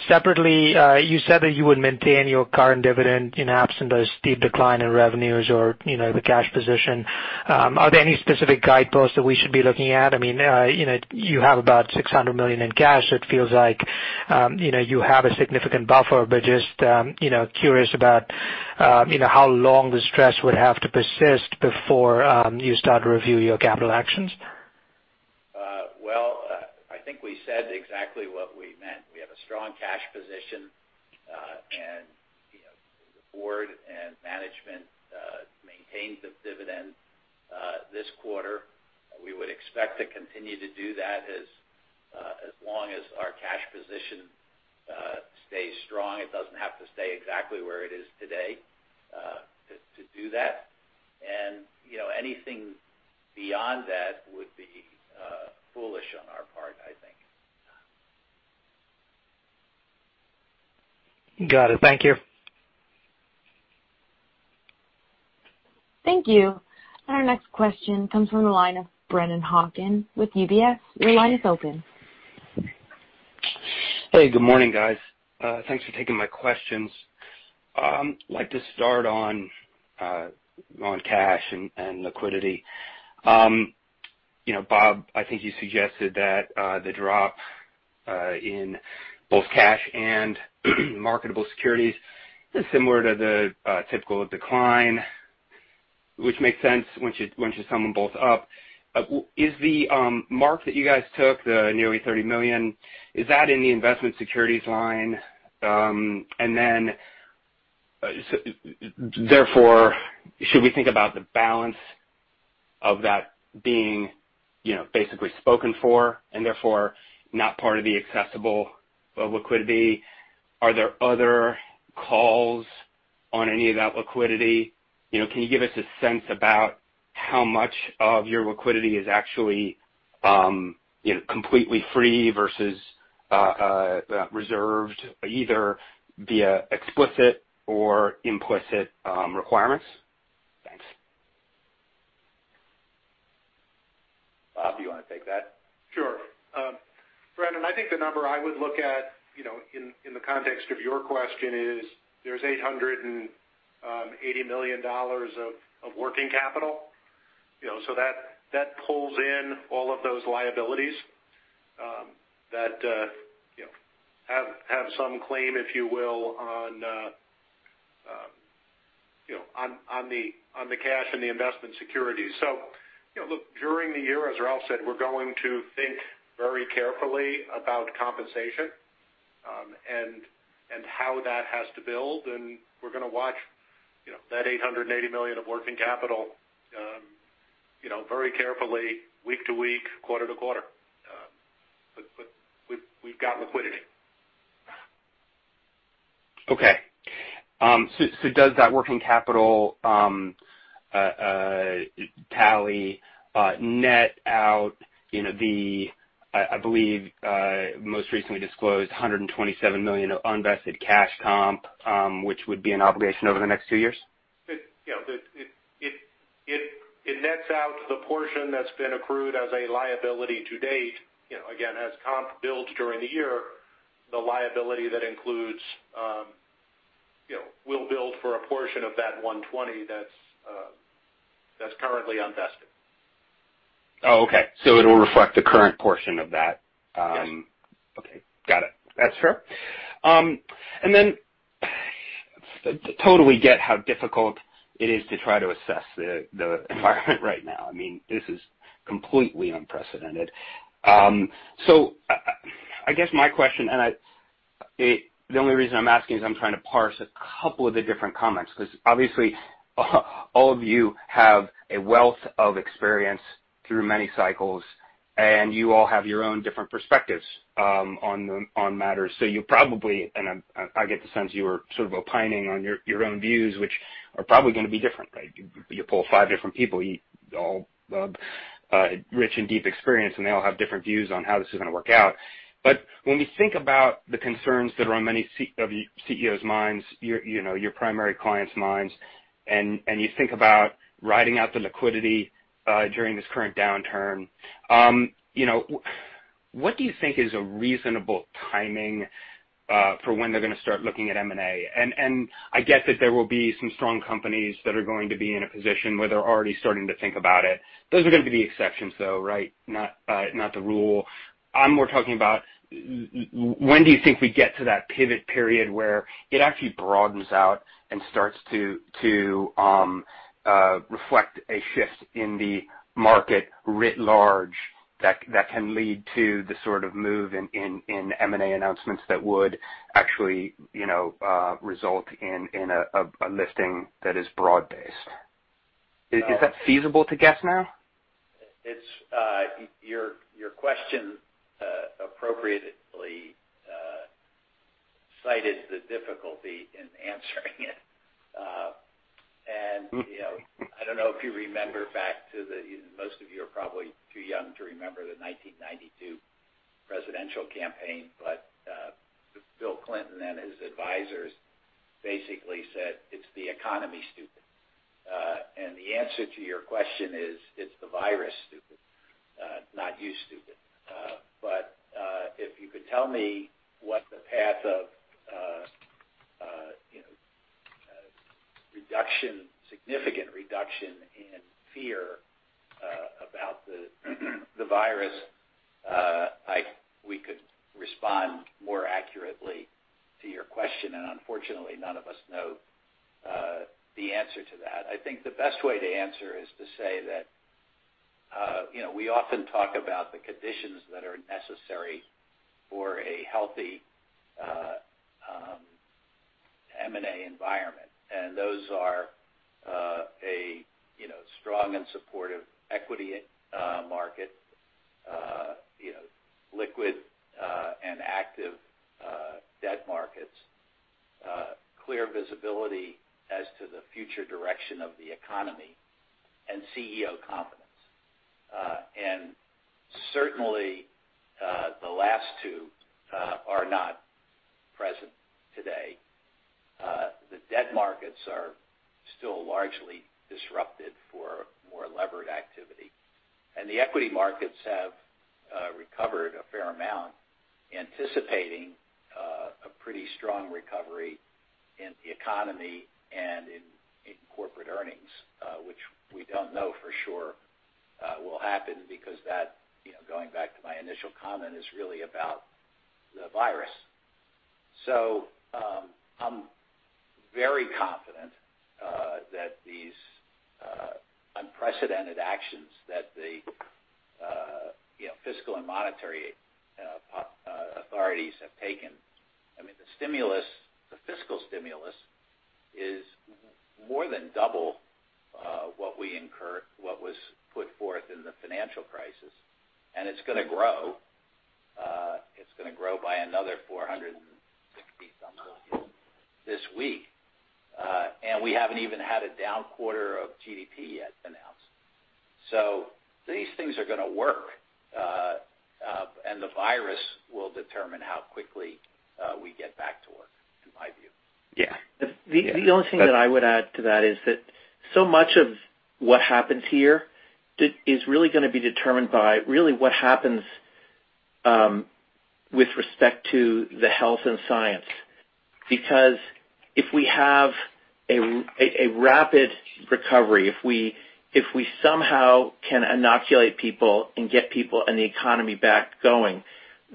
Separately, you said that you would maintain your current dividend in absent of steep decline in revenues or the cash position. Are there any specific guideposts that we should be looking at? You have about $600 million in cash. It feels like you have a significant buffer, but just curious about how long the stress would have to persist before you start to review your capital actions. Well, I think we said exactly what we meant. We have a strong cash position. The board and management maintained the dividend this quarter. We would expect to continue to do that as long as our cash position stays strong. It doesn't have to stay exactly where it is today to do that. Anything beyond that would be foolish on our part, I think. Got it. Thank you. Thank you. Our next question comes from the line of Brennan Hawken with UBS. Your line is open. Hey, good morning, guys. Thanks for taking my questions. I'd like to start on cash and liquidity. Bob, I think you suggested that the drop in both cash and marketable securities is similar to the typical decline, which makes sense once you sum them both up. Is the mark that you guys took, the nearly $30 million, is that in the investment securities line? Therefore, should we think about the balance of that being basically spoken for and therefore not part of the accessible liquidity? Are there other calls on any of that liquidity? Can you give us a sense about how much of your liquidity is actually completely free versus reserved, either via explicit or implicit requirements? Thanks. Bob, do you want to take that? Sure. Brennan, I think the number I would look at in the context of your question is there's $880 million of working capital. That pulls in all of those liabilities that have some claim, if you will, on the cash and the investment securities. Look, during the year, as Ralph said, we're going to think very carefully about compensation and how that has to build, and we're going to watch that $880 million of working capital very carefully week to week, quarter to quarter. We've got liquidity. Okay. Does that working capital tally net out the, I believe, most recently disclosed $127 million of unvested cash comp, which would be an obligation over the next two years? It nets out the portion that's been accrued as a liability to date. Again, as comp builds during the year, the liability that includes will build for a portion of that $120 that's currently unvested. Oh, okay. It'll reflect the current portion of that. Yes. Okay. Got it. That's fair. Totally get how difficult it is to try to assess the environment right now. This is completely unprecedented. I guess my question, and the only reason I'm asking is I'm trying to parse a couple of the different comments, because obviously all of you have a wealth of experience through many cycles, and you all have your own different perspectives on matters. You probably, and I get the sense you were sort of opining on your own views, which are probably going to be different, right? You poll five different people, all rich and deep experience, and they all have different views on how this is going to work out. When we think about the concerns that are on many CEOs' minds, your primary clients' minds, and you think about riding out the liquidity during this current downturn. What do you think is a reasonable timing for when they're going to start looking at M&A? I get that there will be some strong companies that are going to be in a position where they're already starting to think about it. Those are going to be the exceptions, though, right? Not the rule. I'm more talking about when do you think we get to that pivot period where it actually broadens out and starts to reflect a shift in the market writ large that can lead to the sort of move in M&A announcements that would actually result in a listing that is broad-based. Is that feasible to guess now? Your question appropriately cited the difficulty in answering it. I don't know if you remember back to the Most of you are probably too young to remember the 1992 presidential campaign, but Bill Clinton and his advisors basically said, "It's the economy, stupid." The answer to your question is, it's the virus, stupid. Not you, stupid. If you could tell me what the path of reduction, significant reduction in fear about the virus, we could respond more accurately to your question. Unfortunately, none of us know the answer to that. I think the best way to answer is to say that we often talk about the conditions that are necessary for a healthy M&A environment. Those are a strong and supportive equity market. Liquid and active debt markets. Clear visibility as to the future direction of the economy, and CEO confidence. Certainly, the last two are not present today. The debt markets are still largely disrupted for more levered activity. The equity markets have recovered a fair amount, anticipating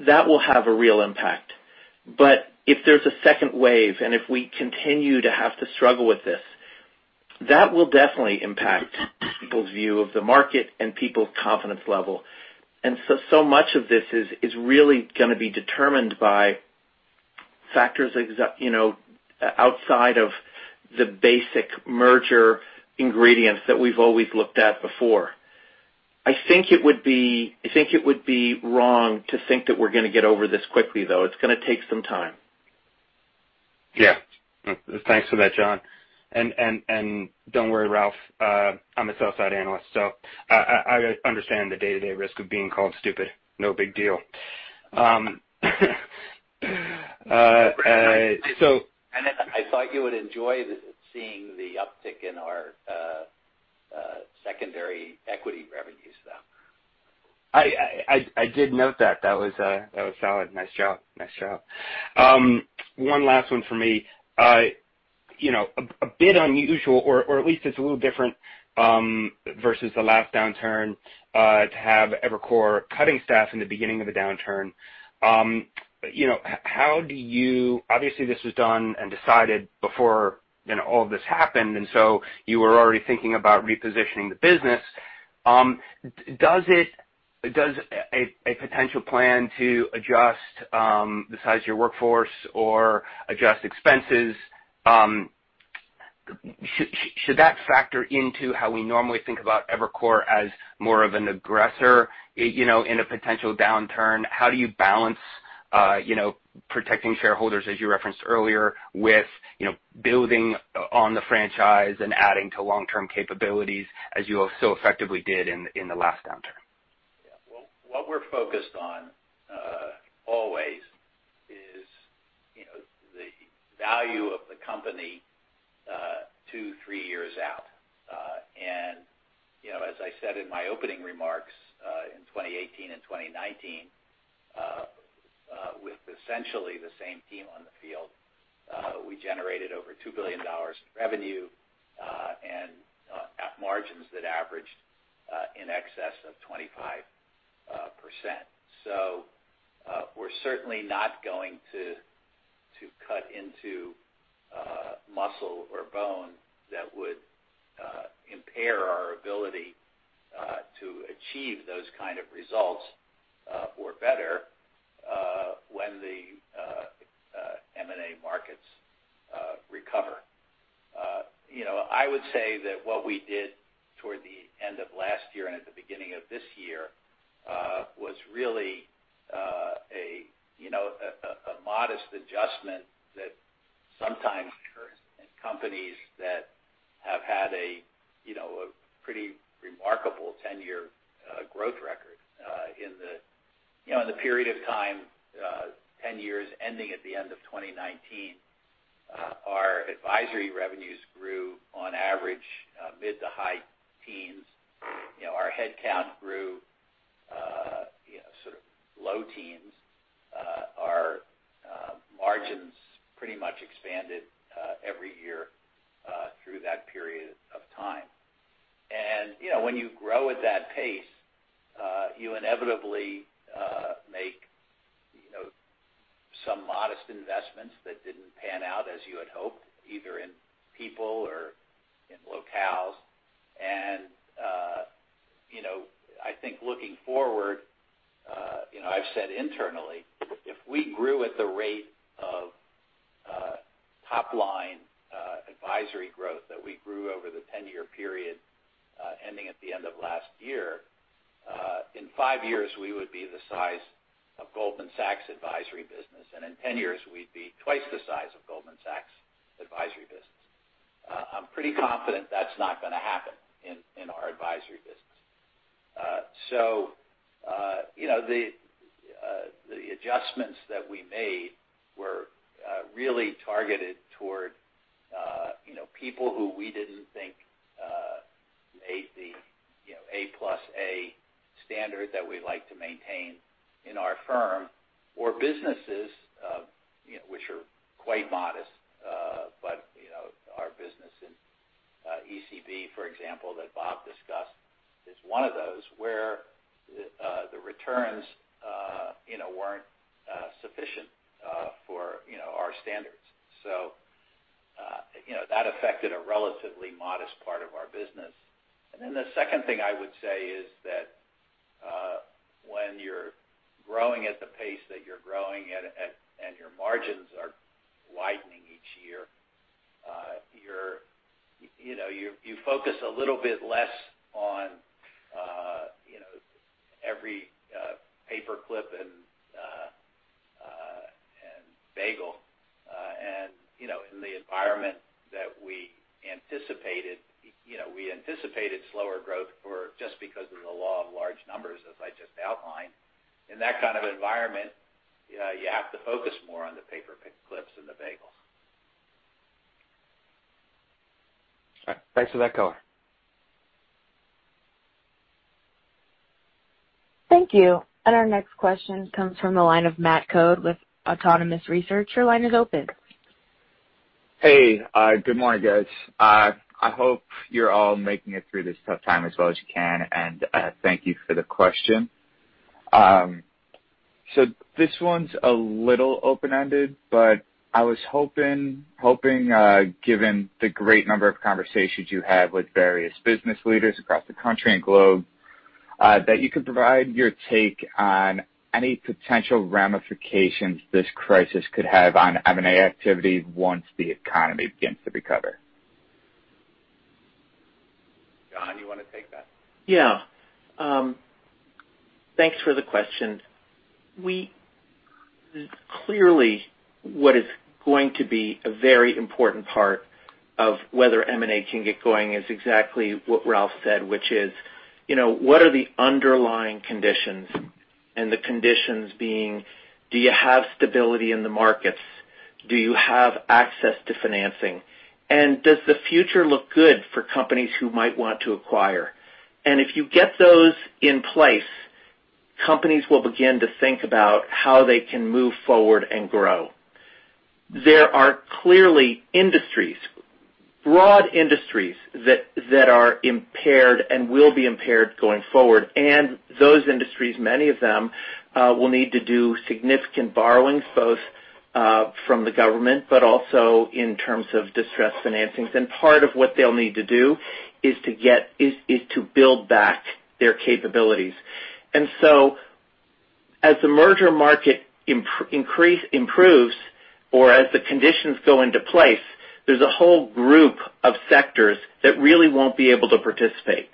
that will have a real impact. If there's a second wave, and if we continue to have to struggle with this, that will definitely impact people's view of the market and people's confidence level. So much of this is really going to be determined by factors outside of the basic merger ingredients that we've always looked at before. I think it would be wrong to think that we're going to get over this quickly, though. It's going to take some time. Yeah. Thanks for that, John. Don't worry, Ralph, I'm a sell-side analyst, so I understand the day-to-day risk of being called stupid. No big deal. I thought you would enjoy seeing the uptick in our secondary equity revenues, though. I did note that. That was solid. Nice job. One last one from me. A bit unusual or at least it's a little different versus the last downturn to have Evercore cutting staff in the beginning of a downturn. Obviously this was done and decided before all of this happened, you were already thinking about repositioning the business. Does a potential plan to adjust the size of your workforce or adjust expenses, should that factor into how we normally think about Evercore as more of an aggressor in a potential downturn? How do you balance protecting shareholders, as you referenced earlier with building on the franchise and adding to long-term capabilities as you so effectively did in the last downturn? Yeah. Well, what we're focused on always is value of the company two, three years out. As I said in my opening remarks, in 2018 and 2019, with essentially the same team on the field, we generated over $2 billion in revenue, and at margins that averaged in excess of 25%. We're certainly not going to cut into muscle or bone that would impair our ability to achieve those kind of results or better when the M&A markets recover. I would say that what we did toward the end of last year and at the beginning of this year was really a modest adjustment that sometimes occurs in companies that have had a pretty remarkable 10-year growth record. In the period of time, 10 years ending at the end of 2019, our advisory revenues grew on average mid to high teens. Our head count grew sort of low teens. Our margins pretty much expanded every year through that period of time. When you grow at that pace, you inevitably make some modest investments that didn't pan out as you had hoped, either in people or in locales. I think looking forward, I've said internally, if we grew at the rate of top-line advisory growth that we grew over the 10-year period ending at the end of last year, in five years, we would be the size of Goldman Sachs advisory business. In 10 years, we'd be twice the size of Goldman Sachs advisory business. I'm pretty confident that's not going to happen in our advisory business. The adjustments that we made were really targeted toward people who we didn't think made the A-plus-A standard that we like to maintain in our firm or businesses, which are quite modest. Our business in ECB, for example, that Bob discussed, is one of those where the returns weren't sufficient for our standards. That affected a relatively modest part of our business. The second thing I would say is that when you're growing at the pace that you're growing and your margins are widening each year, you focus a little bit less on every paper clip and bagel. In the environment that we anticipated slower growth for just because of the law of large numbers as I just outlined. In that kind of environment, you have to focus more on the paper clips and the bagels. All right. Thanks for that color. Thank you. Our next question comes from the line of Matt Coad with Autonomous Research. Your line is open. Hey, good morning, guys. I hope you're all making it through this tough time as well as you can, and thank you for the question. This one's a little open-ended, but I was hoping, given the great number of conversations you have with various business leaders across the country and globe, that you could provide your take on any potential ramifications this crisis could have on M&A activity once the economy begins to recover. John, you want to take that? Yeah. Thanks for the question. Clearly, what is going to be a very important part of whether M&A can get going is exactly what Ralph said, which is what are the underlying conditions and the conditions being, do you have stability in the markets? Do you have access to financing? Does the future look good for companies who might want to acquire? If you get those in place, companies will begin to think about how they can move forward and grow. There are clearly broad industries that are impaired and will be impaired going forward, and those industries, many of them will need to do significant borrowings, both from the government, but also in terms of distressed financings. Part of what they'll need to do is to build back their capabilities. As the merger market improves or as the conditions go into place, there's a whole group of sectors that really won't be able to participate.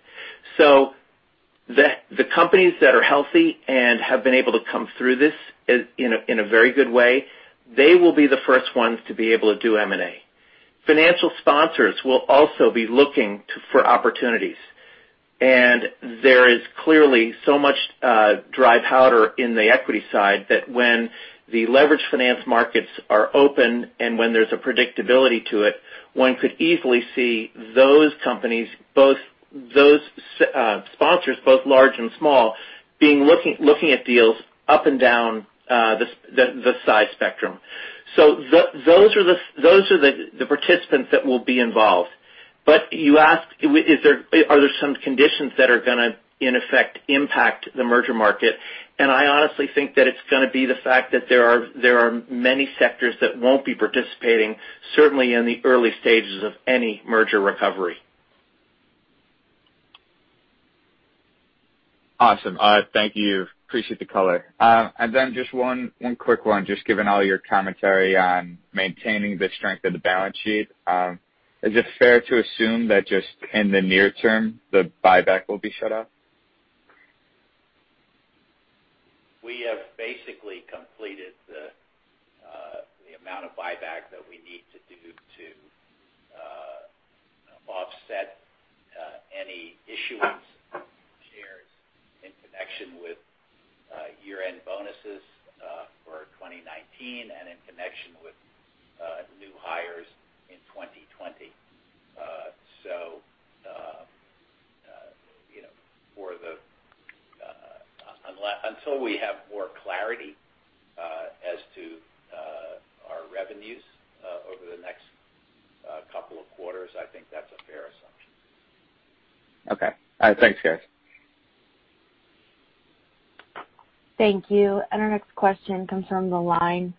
The companies that are healthy and have been able to come through this in a very good way, they will be the first ones to be able to do M&A. Financial sponsors will also be looking for opportunities. There is clearly so much dry powder in the equity side that when the leverage finance markets are open and when there's a predictability to it, one could easily see those companies, those sponsors, both large and small, looking at deals up and down the size spectrum. Those are the participants that will be involved. You asked, are there some conditions that are going to, in effect, impact the merger market? I honestly think that it's going to be the fact that there are many sectors that won't be participating, certainly in the early stages of any merger recovery. Awesome. Thank you. Appreciate the color. Just one quick one. Just given all your commentary on maintaining the strength of the balance sheet, is it fair to assume that just in the near term, the buyback will be shut off? We have basically completed the amount of buyback that we need to do to offset any issuance of shares in connection with year-end bonuses for 2019 and in connection with new hires in 2020. Until we have more clarity as to our revenues over the next couple of quarters, I think that's a fair assumption. Okay. All right. Thanks, guys. Thank you. Our next question comes from the line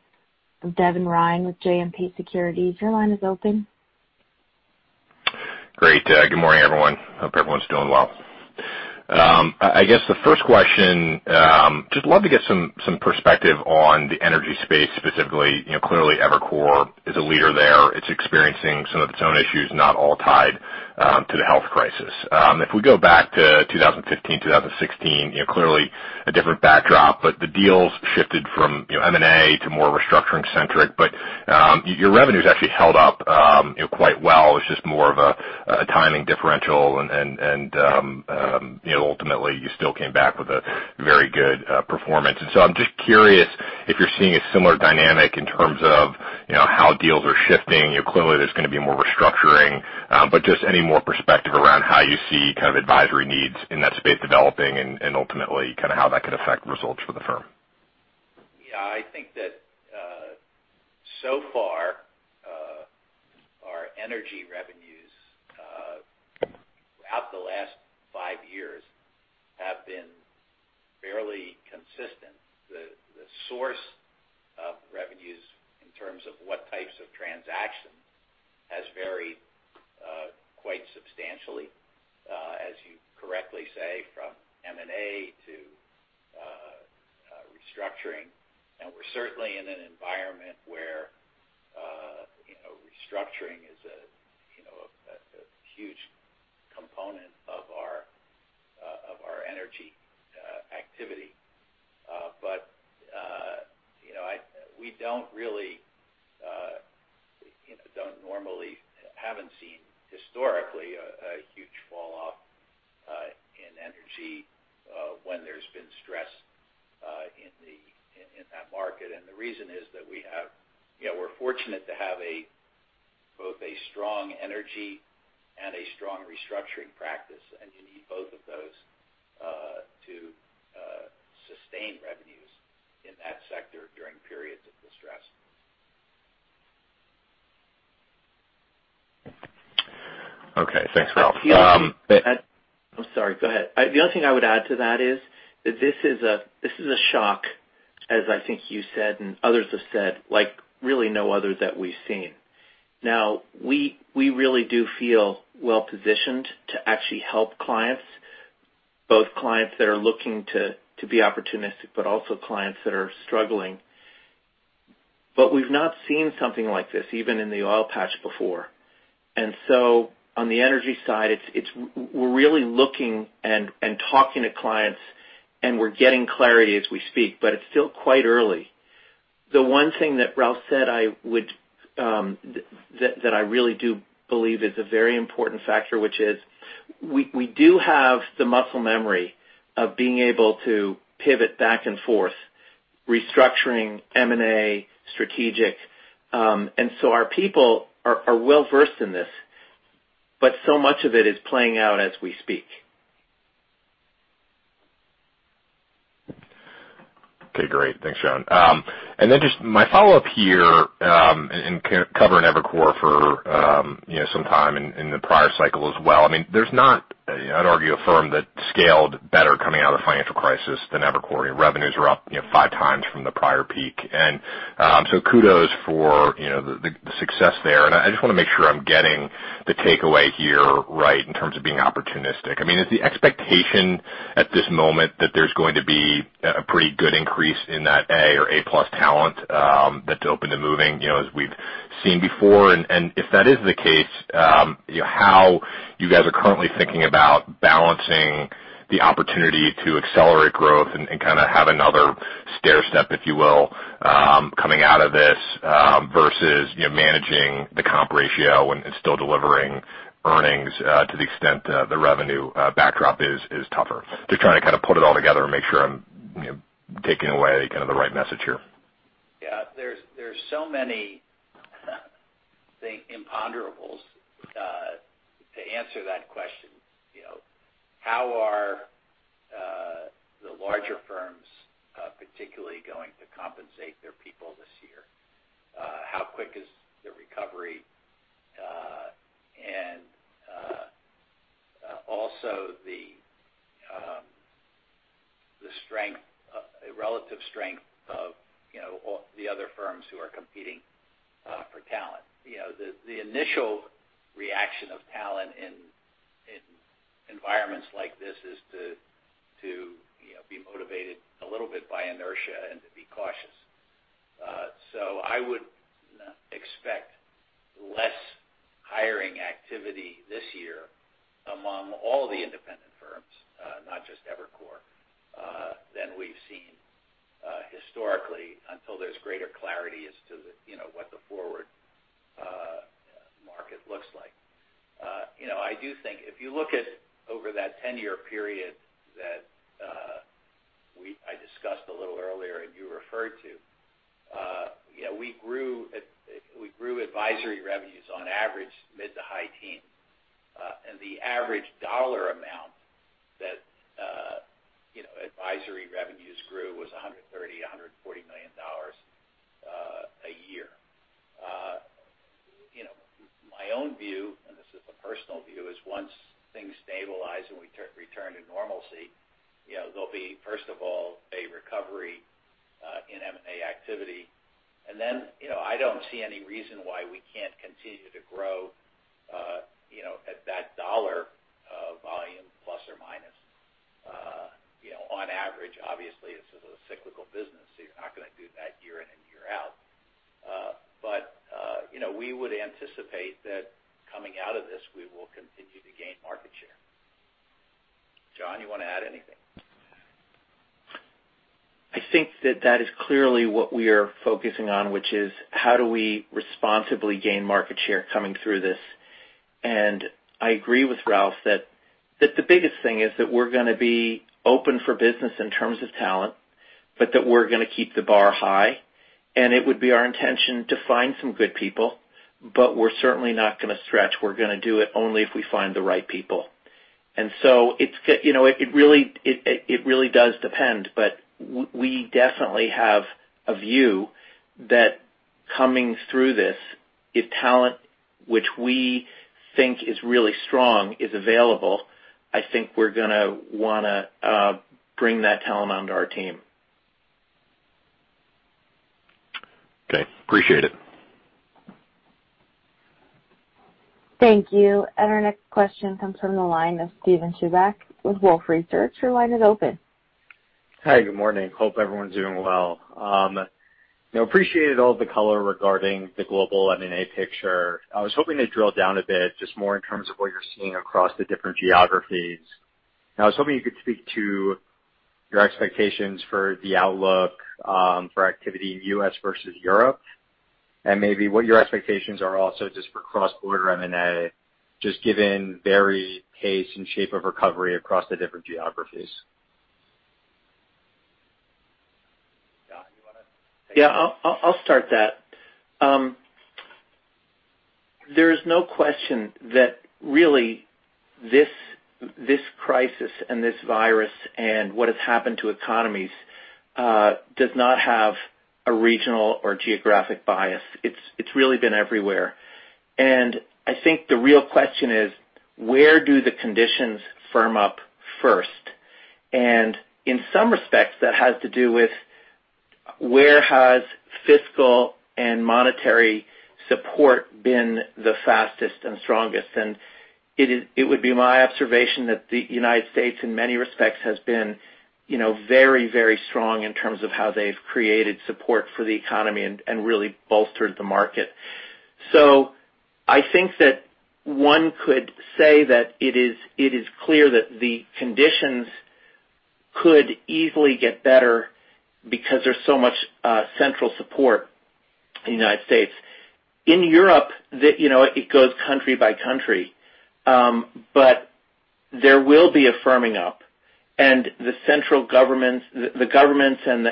of Devin Ryan with JMP Securities. Your line is open. Great. Good morning, everyone. Hope everyone's doing well. I guess the first question, just love to get some perspective on the energy space specifically. Clearly Evercore is a leader there. It's experiencing some of its own issues, not all tied to the health crisis. If we go back to 2015, 2016, clearly a different backdrop, the deals shifted from M&A to more restructuring centric. Your revenues actually held up quite well. It's just more of a timing differential and ultimately you still came back with a very good performance. I'm just curious if you're seeing a similar dynamic in terms of how deals are shifting. Clearly there's going to be more restructuring, but just any more perspective around how you see advisory needs in that space developing and ultimately how that could affect results for the firm. Yeah, I think that so far our energy revenues throughout the last five years have been fairly consistent. The source of revenues in terms of what types of transactions has varied quite substantially as you correctly say, from M&A to restructuring. We're certainly in an environment where restructuring is a huge component of our energy activity. We don't normally haven't seen historically a huge fall off in energy when there's been stress in that market. The reason is that we're fortunate to have both a strong energy and a strong restructuring practice. You need both of those to sustain revenues in that sector during periods of distress. Okay. Thanks, Ralph. I'm sorry. Go ahead. The only thing I would add to that is that this is a shock, as I think you said and others have said, like really no other that we've seen. Now we really do feel well-positioned to actually help clients, both clients that are looking to be opportunistic, but also clients that are struggling. We've not seen something like this even in the oil patch before. On the energy side, we're really looking and talking to clients and we're getting clarity as we speak, but it's still quite early. The one thing that Ralph said that I really do believe is a very important factor, which is we do have the muscle memory of being able to pivot back and forth, restructuring M&A strategic. Our people are well-versed in this, but so much of it is playing out as we speak. Okay. Great. Thanks, John. Then just my follow-up here and covering Evercore for some time in the prior cycle as well. There's not, I'd argue, a firm that scaled better coming out of the financial crisis than Evercore. Revenues are up five times from the prior peak. Kudos for the success there. I just want to make sure I'm getting the takeaway here right in terms of being opportunistic. Is the expectation at this moment that there's going to be a pretty good increase in that A or A-plus talent that's open to moving as we've seen before? If that is the case how you guys are currently thinking about balancing the opportunity to accelerate growth and kind of have another stairstep, if you will, coming out of this, versus managing the comp ratio and still delivering earnings to the extent the revenue backdrop is tougher. Just trying to put it all together and make sure I'm taking away the right message here. Yeah. There's so many things, imponderables, to answer that question. How are the larger firms particularly going to compensate their people this year? How quick is the recovery? Also the relative strength of all the other firms who are competing for talent. The initial reaction of talent in environments like this is to be motivated a little bit by inertia and to be cautious. I would expect less hiring activity this year among all the independent firms, not just Evercore, than we've seen historically, until there's greater clarity as to what the forward market looks like. I do think if you look at over that 10-year period that I discussed a little earlier and you referred to, we grew advisory revenues on average mid to high teens. The average dollar amount that advisory revenues grew was $130, $140 million a year. My own view, and this is a personal view, is once things stabilize and we return to normalcy, there'll be, first of all, a recovery in M&A activity. I don't see any reason why we can't continue to grow at that dollar volume, plus or minus, on average. Obviously, this is a cyclical business, so you're not going to do that year in and year out. We would anticipate that coming out of this, we will continue to gain market share. John, you want to add anything? I think that that is clearly what we are focusing on, which is how do we responsibly gain market share coming through this? I agree with Ralph that the biggest thing is that we're going to be open for business in terms of talent, but that we're going to keep the bar high. It would be our intention to find some good people, but we're certainly not going to stretch. We're going to do it only if we find the right people. It really does depend, but we definitely have a view that coming through this, if talent, which we think is really strong, is available, I think we're going to want to bring that talent onto our team. Okay. Appreciate it. Thank you. Our next question comes from the line of Steven Chubak with Wolfe Research. Your line is open. Hi. Good morning. Hope everyone's doing well. Appreciated all the color regarding the global M&A picture. I was hoping to drill down a bit, just more in terms of what you're seeing across the different geographies. I was hoping you could speak to your expectations for the outlook for activity in U.S. versus Europe, and maybe what your expectations are also just for cross-border M&A, just given varied pace and shape of recovery across the different geographies. John, you want to take that? Yeah, I'll start that. There is no question that really this crisis and this virus and what has happened to economies, does not have a regional or geographic bias. It's really been everywhere. I think the real question is. Where do the conditions firm up first? In some respects, that has to do with where has fiscal and monetary support been the fastest and strongest. It would be my observation that the United States, in many respects, has been very strong in terms of how they've created support for the economy and really bolstered the market. I think that one could say that it is clear that the conditions could easily get better because there's so much central support in the United States. In Europe, it goes country by country. There will be a firming up, and the governments and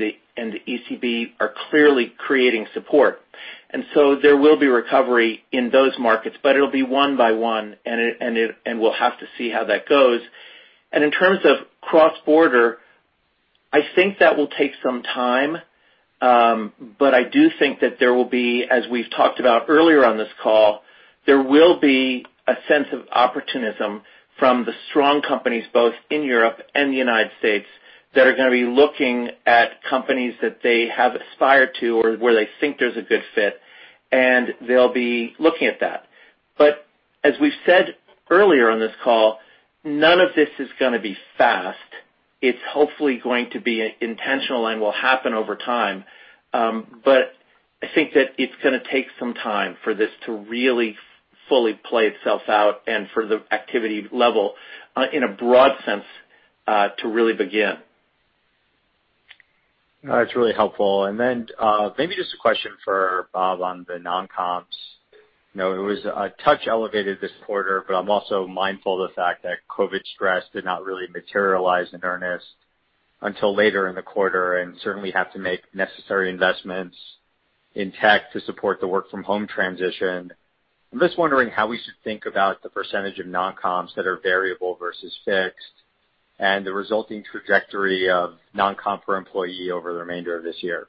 the ECB are clearly creating support. So there will be recovery in those markets, but it'll be one by one, and we'll have to see how that goes. In terms of cross-border, I think that will take some time. I do think that there will be, as we've talked about earlier on this call, there will be a sense of opportunism from the strong companies, both in Europe and the U.S., that are going to be looking at companies that they have aspired to or where they think there's a good fit, and they'll be looking at that. As we've said earlier on this call, none of this is going to be fast. It's hopefully going to be intentional and will happen over time. I think that it's going to take some time for this to really fully play itself out and for the activity level in a broad sense to really begin. That's really helpful. Then maybe just a question for Bob on the non-comps. It was a touch elevated this quarter, but I'm also mindful of the fact that COVID stress did not really materialize in earnest until later in the quarter, and certainly have to make necessary investments in tech to support the work from home transition. I'm just wondering how we should think about the percentage of non-comps that are variable versus fixed and the resulting trajectory of non-comp per employee over the remainder of this year.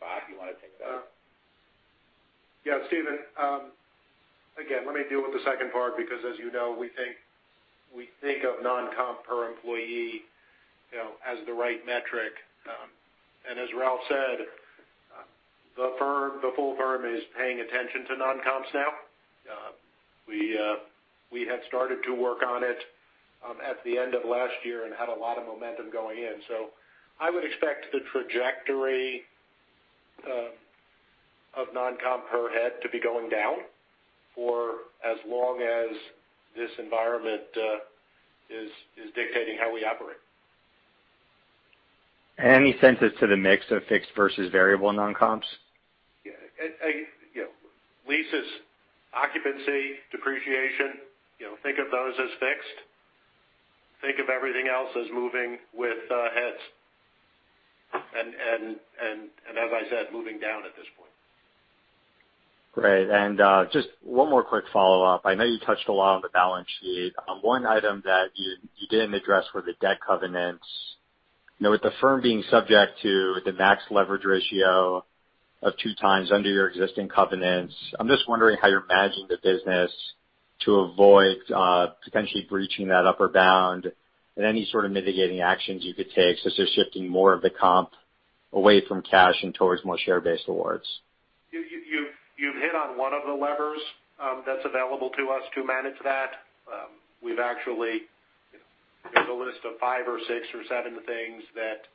Bob, you want to take that? Yeah. Steven, again, let me deal with the second part because as you know, we think of non-comp per employee as the right metric. As Ralph said, the full firm is paying attention to non-comps now. We had started to work on it at the end of last year and had a lot of momentum going in. I would expect the trajectory of non-comp per head to be going down for as long as this environment is dictating how we operate. Any sense to the mix of fixed versus variable non-comps? Yeah. Leases, occupancy, depreciation, think of those as fixed. Think of everything else as moving with heads. As I said, moving down at this point. Great. Just one more quick follow-up. I know you touched a lot on the balance sheet. One item that you didn't address were the debt covenants. With the firm being subject to the max leverage ratio of 2x under your existing covenants, I'm just wondering how you're managing the business to avoid potentially breaching that upper bound and any sort of mitigating actions you could take, such as shifting more of the comp away from cash and towards more share-based awards. You've hit on one of the levers that's available to us to manage that. We've actually made a list of five or six or seven things that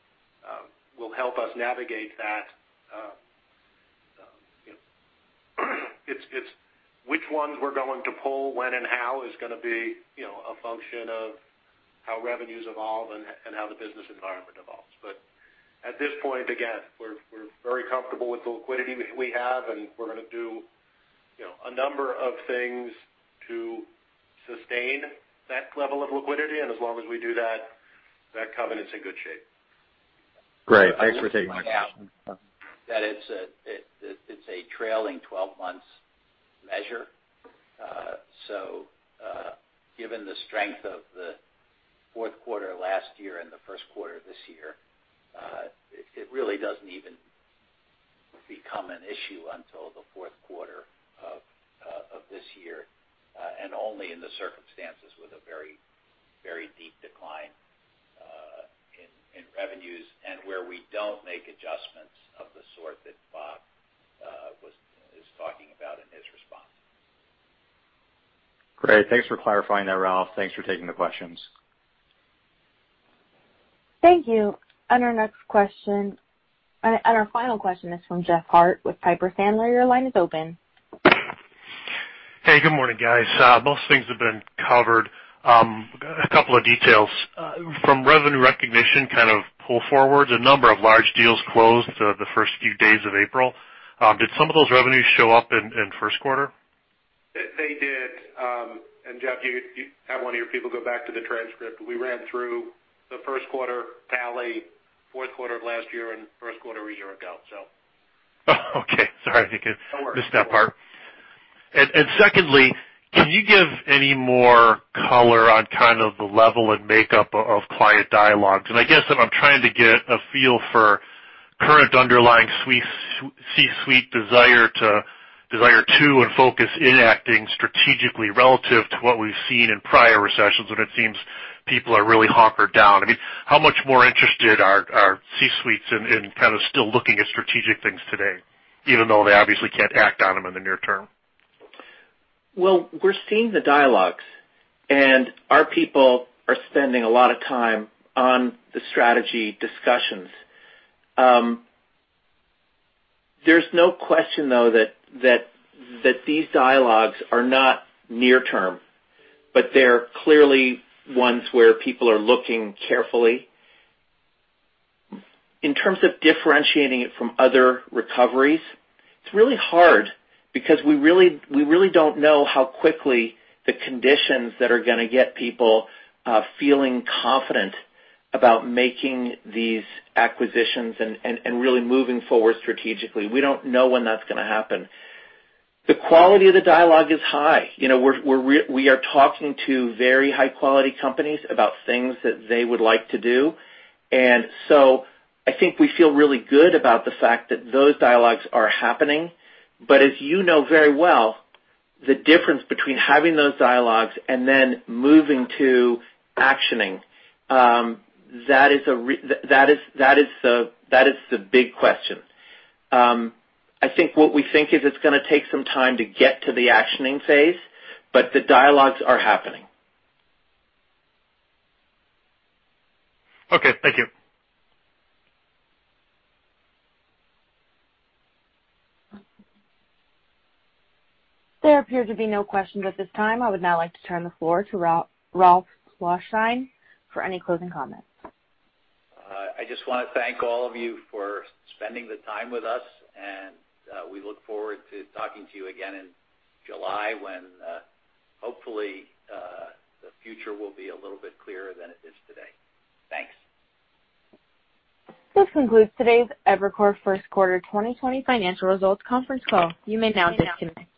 will help us navigate that. It's which ones we're going to pull, when and how is going to be a function of how revenues evolve and how the business environment evolves. At this point, again, we're very comfortable with the liquidity we have, and we're going to do a number of things to sustain that level of liquidity. As long as we do that covenant's in good shape. Great. Thanks for taking my question. That it's a trailing 12 months measure. Given the strength of the fourth quarter last year and the first quarter this year, it really doesn't even become an issue until the fourth quarter of this year, and only in the circumstances with a very, very deep decline in revenues and where we don't make adjustments of the sort that Bob is talking about in his response. Great. Thanks for clarifying that, Ralph. Thanks for taking the questions. Thank you. Our final question is from Jeff Harte with Piper Sandler. Your line is open. Hey, good morning, guys. Most things have been covered. A couple of details. From revenue recognition kind of pull forwards, a number of large deals closed the first few days of April. Did some of those revenues show up in first quarter? They did. Jeff, you have one of your people go back to the transcript. We ran through the first quarter tally, fourth quarter of last year and first quarter a year ago. Okay. Sorry. No worries. Missed that part. Secondly, can you give any more color on kind of the level and makeup of client dialogues? I guess I'm trying to get a feel for current underlying C-suite desire to, and focus in acting strategically relative to what we've seen in prior recessions when it seems people are really hunkered down. I mean, how much more interested are C-suites in kind of still looking at strategic things today, even though they obviously can't act on them in the near-term? Well, we're seeing the dialogues. Our people are spending a lot of time on the strategy discussions. There's no question, though, that these dialogues are not near term. They're clearly ones where people are looking carefully. In terms of differentiating it from other recoveries, it's really hard because we really don't know how quickly the conditions that are going to get people feeling confident about making these acquisitions and really moving forward strategically. We don't know when that's going to happen. The quality of the dialogue is high. We are talking to very high-quality companies about things that they would like to do. I think we feel really good about the fact that those dialogues are happening. As you know very well, the difference between having those dialogues and then moving to actioning, that is the big question. I think what we think is it's going to take some time to get to the actioning phase, but the dialogues are happening. Okay. Thank you. There appear to be no questions at this time. I would now like to turn the floor to Ralph Schlosstein for any closing comments. I just want to thank all of you for spending the time with us. We look forward to talking to you again in July when hopefully, the future will be a little bit clearer than it is today. Thanks. This concludes today's Evercore First Quarter 2020 Financial Results conference call. You may now disconnect.